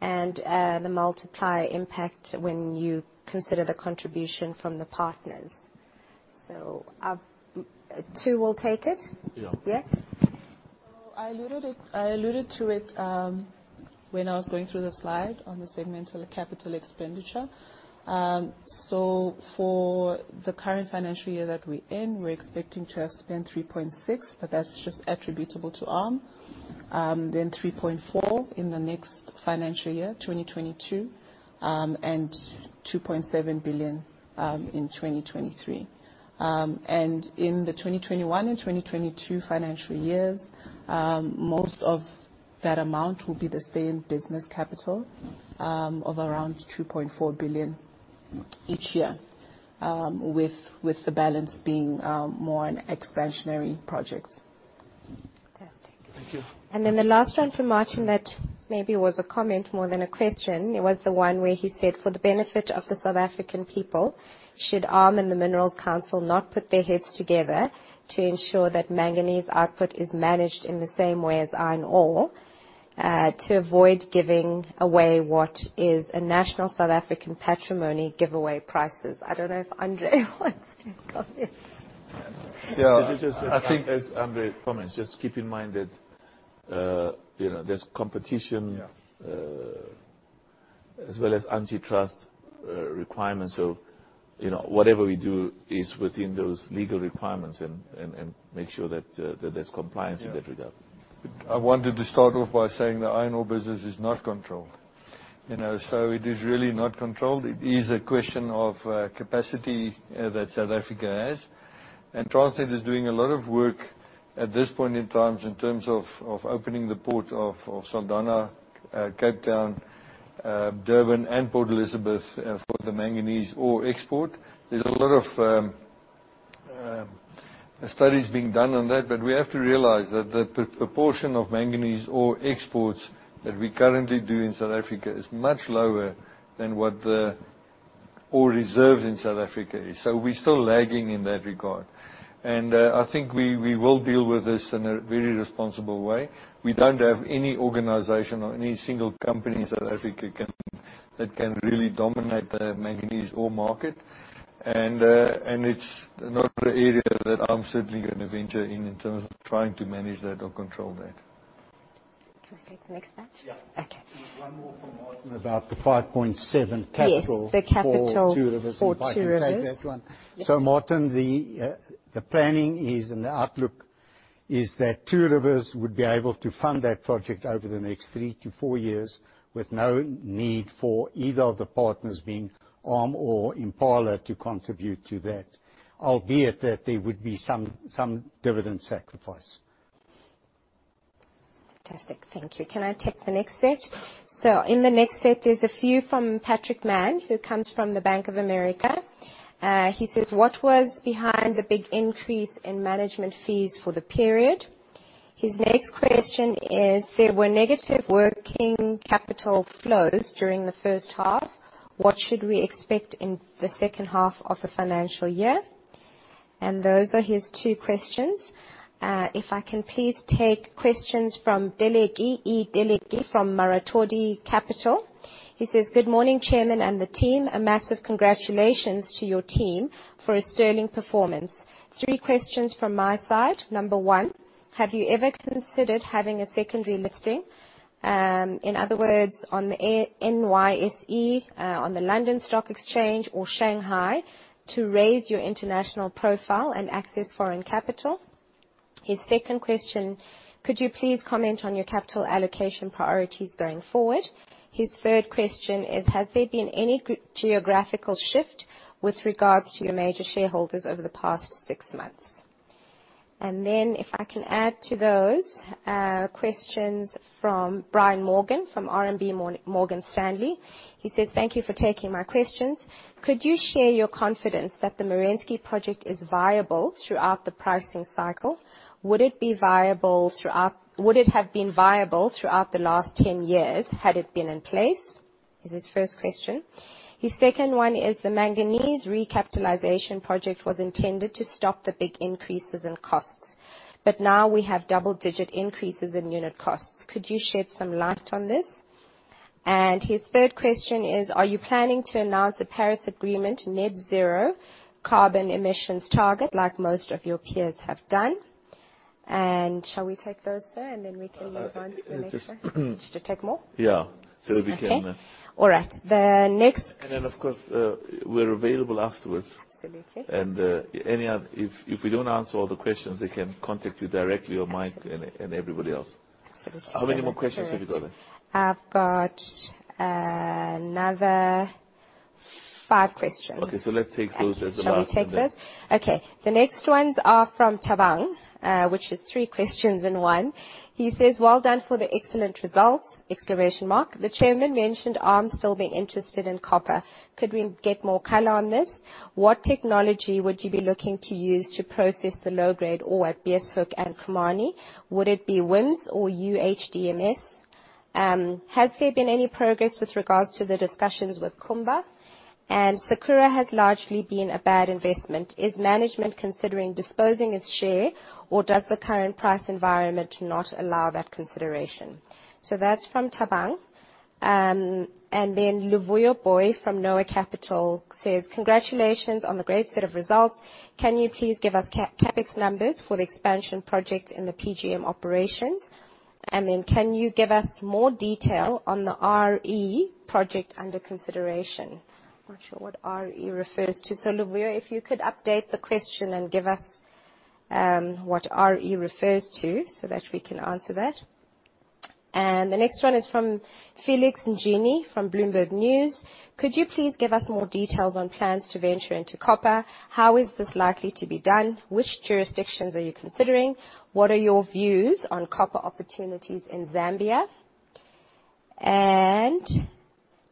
and the multiplier impact when you consider the contribution from the partners." Thando will take it. Yeah. Yeah. I alluded to it when I was going through the slide on the segmental capital expenditure. For the current financial year that we're in, we're expecting to have spent 3.6, but that's just attributable to ARM. 3.4 in the next financial year, 2022, and 2.7 billion in 2023. In the 2021 and 2022 financial years, most of that amount will be the same business capital of around 2.4 billion each year, with the balance being more on expansionary projects. Fantastic. Thank you. Then the last one from Martin that maybe was a comment more than a question, it was the one where he said, "For the benefit of the South African people, should ARM and the Minerals Council not put their heads together to ensure that manganese output is managed in the same way as iron ore, to avoid giving away what is a national South African patrimony giveaway prices?" I don't know if Andre wants to comment. I think as Andre comments, just keep in mind that there's competition. As well as antitrust requirements. Whatever we do is within those legal requirements, and make sure that there's compliance in that regard. I wanted to start off by saying that iron ore business is not controlled. It is really not controlled. It is a question of capacity that South Africa has. Transnet is doing a lot of work at this point in time in terms of opening the port of Saldanha, Cape Town, Durban, and Port Elizabeth for the manganese ore export. There's a lot of studies being done on that, but we have to realize that the proportion of manganese ore exports that we currently do in South Africa is much lower than what the ore reserves in South Africa is. We're still lagging in that regard. I think we will deal with this in a very responsible way. We don't have any organization or any single company in South Africa that can really dominate the manganese ore market. It's not an area that I'm certainly going to venture in terms of trying to manage that or control that. Can I take the next batch? Yeah. Okay. There's one more from Martin about the 5.7 capital- Yes. For Two Rivers For Two Rivers. If I can take that one. Martin, the planning is, and the outlook is that Two Rivers would be able to fund that project over the next three to four years, with no need for either of the partners, being ARM or Impala, to contribute to that, albeit that there would be some dividend sacrifice. Fantastic, thank you. Can I take the next set? In the next set, there's a few from Patrick Mann who comes from the Bank of America. He says, "What was behind the big increase in management fees for the period?" His next question is, "There were negative working capital flows during the first half. What should we expect in the second half of the financial year?" Those are his two questions. If I can please take questions from Deleki, E. Deleki from Maratodi Capital. He says, "Good morning, chairman and the team. A massive congratulations to your team for a sterling performance. Three questions from my side. Number one, have you ever considered having a secondary listing, in other words, on the NYSE, on the London Stock Exchange or Shanghai to raise your international profile and access foreign capital? His second question, "Could you please comment on your capital allocation priorities going forward?" His third question is, "Has there been any geographical shift with regards to your major shareholders over the past six months?" Then if I can add to those, questions from Brian Morgan from RMB Morgan Stanley. He said, "Thank you for taking my questions. Could you share your confidence that the Merensky project is viable throughout the pricing cycle? Would it have been viable throughout the last 10 years had it been in place?" is his first question. His second one is, "The manganese recapitalization project was intended to stop the big increases in costs, but now we have double-digit increases in unit costs. Could you shed some light on this?" His third question is, "Are you planning to announce a Paris Agreement net zero carbon emissions target like most of your peers have done?" Shall we take those, sir, and then we can move on to the next one? Just- To take more? Yeah. Okay. All right. Of course, we're available afterwards. Absolutely. If we don't answer all the questions, they can contact you directly or Mike and everybody else. Absolutely. How many more questions have you got there? I've got another five questions. Okay. Let's take those as the last ones then. Shall we take those? Okay. The next ones are from Thabang, which is three questions in one. He says, "Well done for the excellent results. The chairman mentioned ARM still being interested in copper. Could we get more color on this? What technology would you be looking to use to process the low-grade ore at Beeshoek and Khumani? Would it be WHIMS or UHDMS? Has there been any progress with regards to the discussions with Kumba? Sakura Ferroalloys has largely been a bad investment. Is management considering disposing its share, or does the current price environment not allow that consideration?" That's from Thabang. Luvuyo Booi from Noah Capital Markets says, "Congratulations on the great set of results. Can you please give us CapEx numbers for the expansion project in the PGM operations? Can you give us more detail on the RE project under consideration? Not sure what RE refers to. Luvuyo Booi, if you could update the question and give us what RE refers to so that we can answer that. The next one is from Felix Njini from Bloomberg News: Could you please give us more details on plans to venture into copper? How is this likely to be done? Which jurisdictions are you considering? What are your views on copper opportunities in Zambia?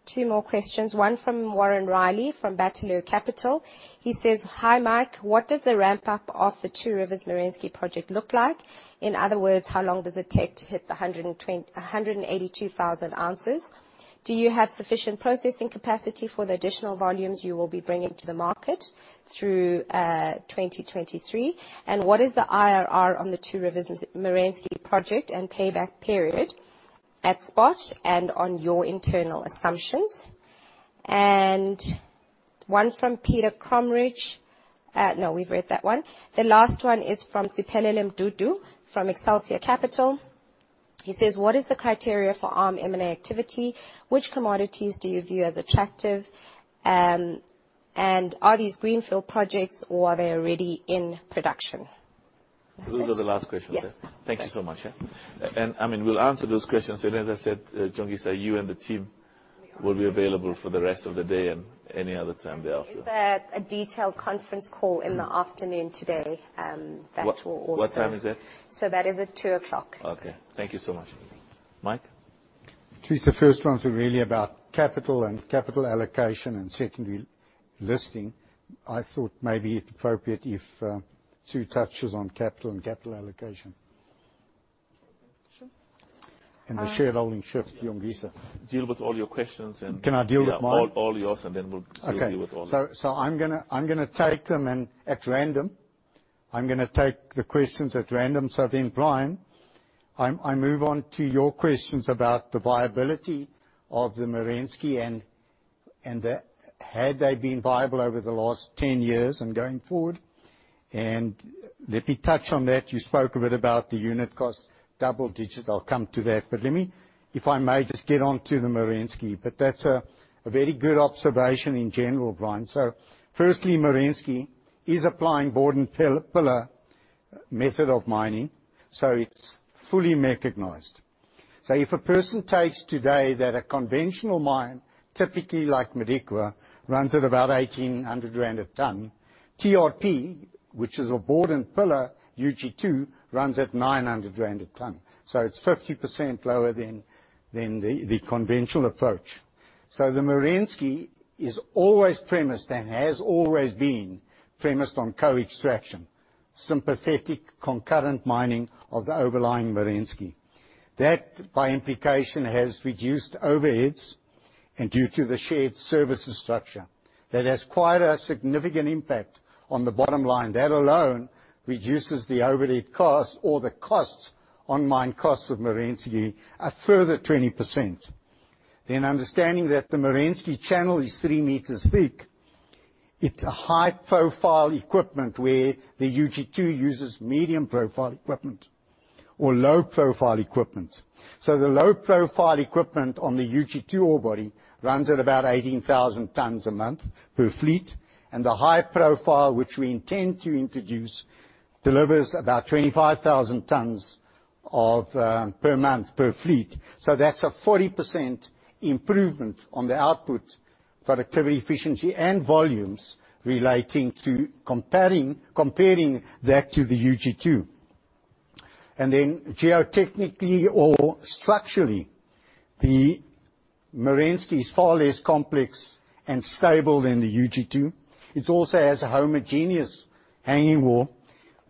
Two more questions, one from Warren Riley from Bateleur Capital. He says, Hi, Mike. What does the ramp-up of the Two Rivers Merensky project look like? In other words, how long does it take to hit the 182,000 oz? Do you have sufficient processing capacity for the additional volumes you will be bringing to the market through 2023? What is the IRR on the Two Rivers Merensky project and payback period at spot and on your internal assumptions? One from Peter Cromberge. No, we've read that one. The last one is from Siphelele Dudu from Excelsia Capital. He says, "What is the criteria for ARM M&A activity? Which commodities do you view as attractive? Are these greenfield projects, or are they already in production? Those are the last questions then. Yes. Thank you so much. I mean, we'll answer those questions. As I said, Jongisa, you and the team will be available for the rest of the day and any other time thereafter. We've set a detailed conference call in the afternoon today, that will also. What time is that? That is at two o'clock. Okay. Thank you so much. Mike? The first ones were really about capital and capital allocation and secondary listing. I thought maybe it appropriate if Tsu touches on capital and capital allocation. Sure. The shareholding shift, Jongisa. Deal with all your questions. Can I deal with mine? Yeah. All yours, and then we'll deal with all of them. I'm gonna take them at random. I'm gonna take the questions at random. Brian, I move on to your questions about the viability of the Merensky and had they been viable over the last 10 years and going forward. Let me touch on that. You spoke a bit about the unit cost, double digits, I'll come to that. Let me, if I may, just get onto the Merensky. That's a very good observation in general, Brian. Firstly, Merensky is applying bord and pillar method of mining, so it's fully mechanized. If a person takes today that a conventional mine, typically like Modikwa, runs at about 1,800 rand a ton, TRP, which is a bord and pillar, UG2, runs at 900 rand a ton. It's 50% lower than the conventional approach. The Merensky is always premised and has always been premised on co-extraction, sympathetic, concurrent mining of the overlying Merensky. That, by implication, has reduced overheads, and due to the shared services structure. That has quite a significant impact on the bottom line. That alone reduces the overhead cost or the costs, on-mine costs of Merensky, a further 20%. Understanding that the Merensky channel is three meters thick, it's a high-profile equipment where the UG2 uses medium-profile equipment or low-profile equipment. The low-profile equipment on the UG2 ore body runs at about 18,000 tons a month per fleet, and the high profile, which we intend to introduce, delivers about 25,000 tons per month per fleet. That's a 40% improvement on the output productivity, efficiency, and volumes relating to comparing that to the UG2. Geotechnically or structurally, the Merensky is far less complex and stable than the UG2. It also has a homogeneous hanging wall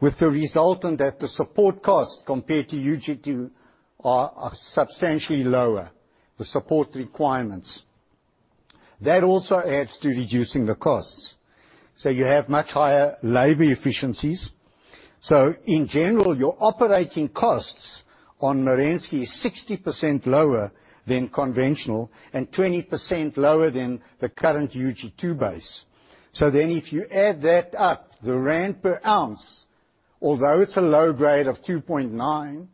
with the result in that the support costs compared to UG2 are substantially lower, the support requirements. That also adds to reducing the costs. You have much higher labor efficiencies. In general, your operating costs-On Merensky is 60% lower than conventional, and 20% lower than the current UG2 base. If you add that up, the ZAR per ounce, although it's a low grade of 2.9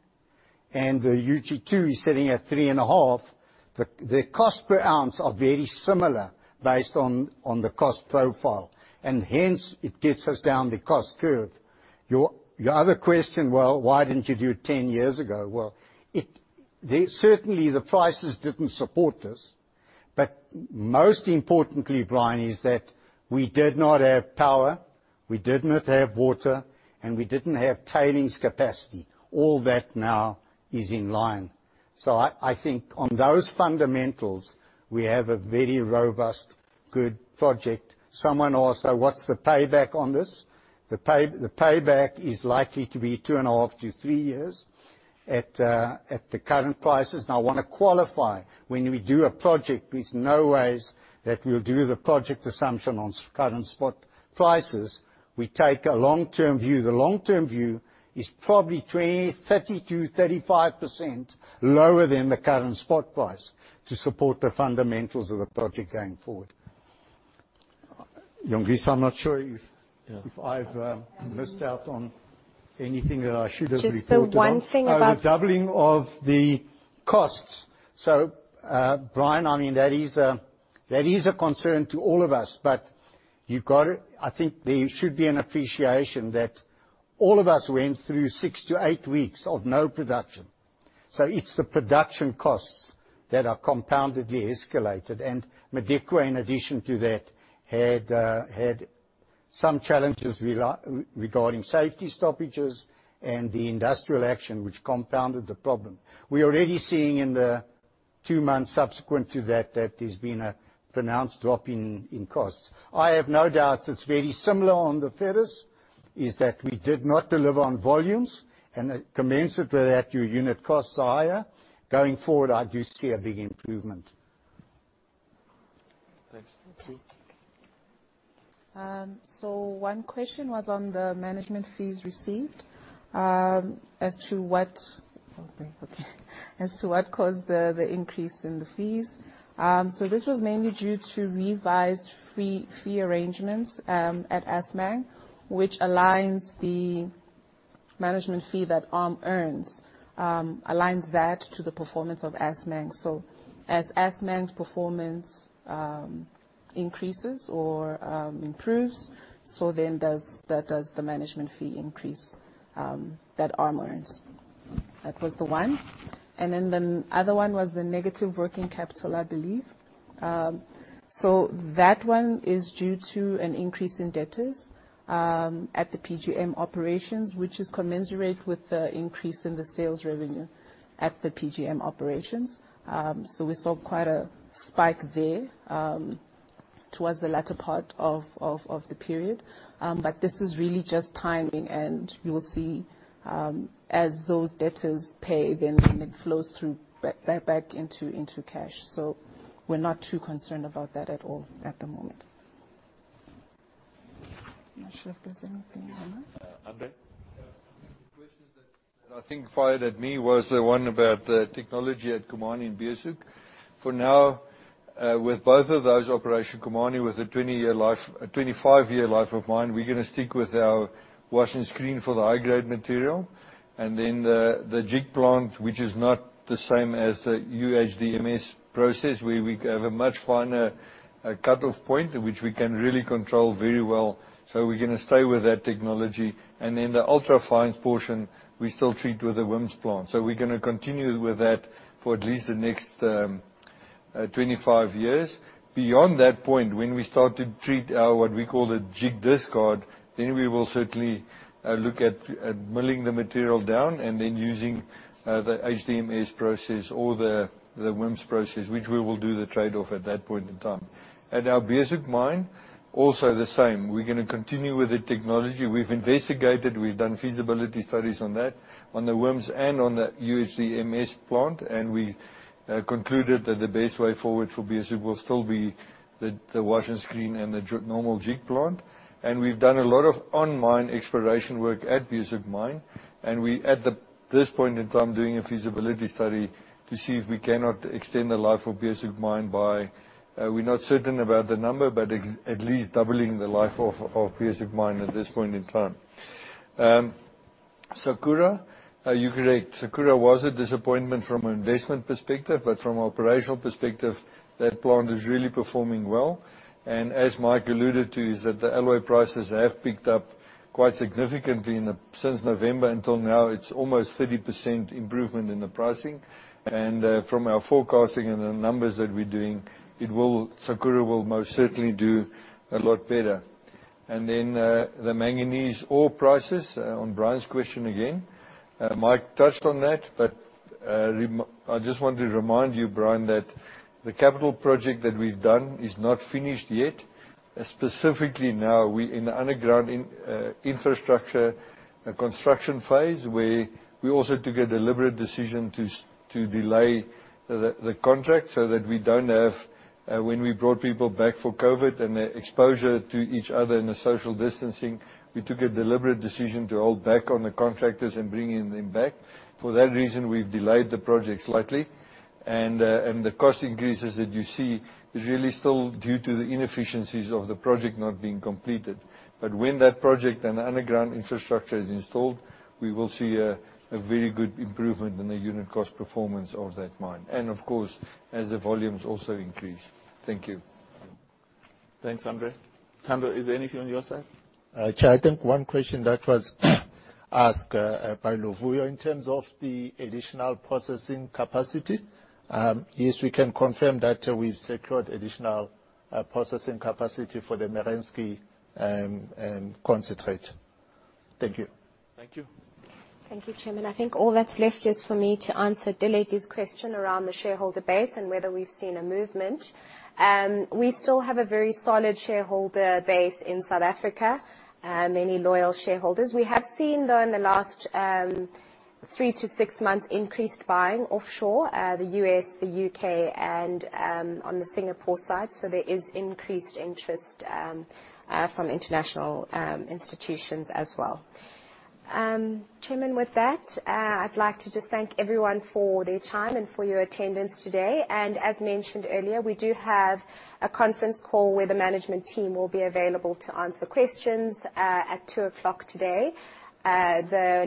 and the UG2 is sitting at 3.5, the ZAR per ounce are very similar based on the cost profile, and hence it gets us down the cost curve. Your other question, well, why didn't you do it 10 years ago? Well, certainly the prices didn't support us. Most importantly, Brian, is that we did not have power, we did not have water, and we didn't have tailings capacity. All that now is in line. I think on those fundamentals, we have a very robust, good project. Someone asked, what's the payback on this? The payback is likely to be 2.5-3 years at the current prices. I want to qualify, when we do a project, there's no ways that we'll do the project assumption on current spot prices. We take a long-term view. The long-term view is probably 30%-35% lower than the current spot price to support the fundamentals of the project going forward. Jongisa, I'm not sure if I've missed out on anything that I should have reported on. Just the one thing about- On the doubling of the costs. Brian, that is a concern to all of us, but I think there should be an appreciation that all of us went through six to eight weeks of no production. It's the production costs that are compoundedly escalated. Modikwa, in addition to that, had some challenges regarding safety stoppages and the industrial action, which compounded the problem. We're already seeing in the two months subsequent to that there's been a pronounced drop in costs. I have no doubt it's very similar on the Ferrous, is that we did not deliver on volumes, and commensurate with that, your unit costs are higher. Going forward, I do see a big improvement. One question was on the management fees received, as to what caused the increase in the fees. This was mainly due to revised fee arrangements at Assmang, which aligns the management fee that ARM earns, aligns that to the performance of Assmang. As Assmang's performance increases or improves, so then does the management fee increase that ARM earns. That was the one. The other one was the negative working capital, I believe. That one is due to an increase in debtors at the PGM operations, which is commensurate with the increase in the sales revenue at the PGM operations. We saw quite a spike there towards the latter part of the period. But this is really just timing, and we'll see as those debtors pay, then it flows back into cash. We're not too concerned about that at all at the moment. I'm not sure if there's anything on that. Andre? The question that I think fired at me was the one about the technology at Khumani and Beeshoek. For now, with both of those operations, Khumani with a 25-year life of mine, we're going to stick with our wash and screen for the high-grade material. The jig plant, which is not the same as the UHDMS process, where we have a much finer cutoff point, which we can really control very well. We're going to stay with that technology. The ultra-fine portion, we still treat with the WIMS plant. We're going to continue with that for at least the next 25 years. Beyond that point, when we start to treat our, what we call the jig discard, then we will certainly look at milling the material down and then using the HDMS process or the WIMS process, which we will do the trade-off at that point in time. At our Beeshoek Mine, also the same. We're going to continue with the technology. We've investigated, we've done feasibility studies on that, on the WIMS and on the UHDMS plant, and we concluded that the best way forward for Beeshoek will still be the wash and screen and the normal jig plant. We've done a lot of on-mine exploration work at Beeshoek Mine. We, at this point in time, doing a feasibility study to see if we cannot extend the life of Beeshoek Mine by, we're not certain about the number, but at least doubling the life of Beeshoek Mine at this point in time. Sakura, you're correct. Sakura was a disappointment from an investment perspective, but from an operational perspective, that plant is really performing well. As Mike alluded to, is that the alloy prices have picked up quite significantly since November until now. It's almost 30% improvement in the pricing. From our forecasting and the numbers that we're doing, Sakura will most certainly do a lot better. Then the manganese ore prices, on Brian's question again. Mike touched on that, but I just want to remind you, Brian, that the capital project that we've done is not finished yet. Specifically now, we're in the underground infrastructure construction phase, where we also took a deliberate decision to delay the contract. When we brought people back for COVID-19 and the exposure to each other and the social distancing, we took a deliberate decision to hold back on the contractors in bringing them back. For that reason, we've delayed the project slightly. The cost increases that you see is really still due to the inefficiencies of the project not being completed. When that project and the underground infrastructure is installed, we will see a very good improvement in the unit cost performance of that mine, and of course, as the volumes also increase. Thank you. Thanks, Andre. Thando, is there anything on your side? Chair, I think one question that was asked by Luvuyo in terms of the additional processing capacity. Yes, we can confirm that we've secured additional processing capacity for the Merensky concentrate. Thank you. Thank you. Thank you, Chairman. I think all that's left is for me to answer Deleke's question around the shareholder base and whether we've seen a movement. We still have a very solid shareholder base in South Africa, many loyal shareholders. We have seen, though, in the last three to six months, increased buying offshore, the U.S., the U.K., and on the Singapore side. There is increased interest from international institutions as well. Chairman, with that, I'd like to just thank everyone for their time and for your attendance today. As mentioned earlier, we do have a conference call where the management team will be available to answer questions at two o'clock today. The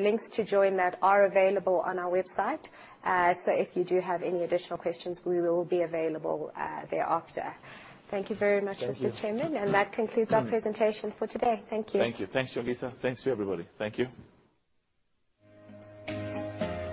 links to join that are available on our website. If you do have any additional questions, we will be available thereafter. Thank you very much, Mr. Chairman. That concludes our presentation for today. Thank you. Thank you. Thanks, Jongisa. Thanks to everybody. Thank you.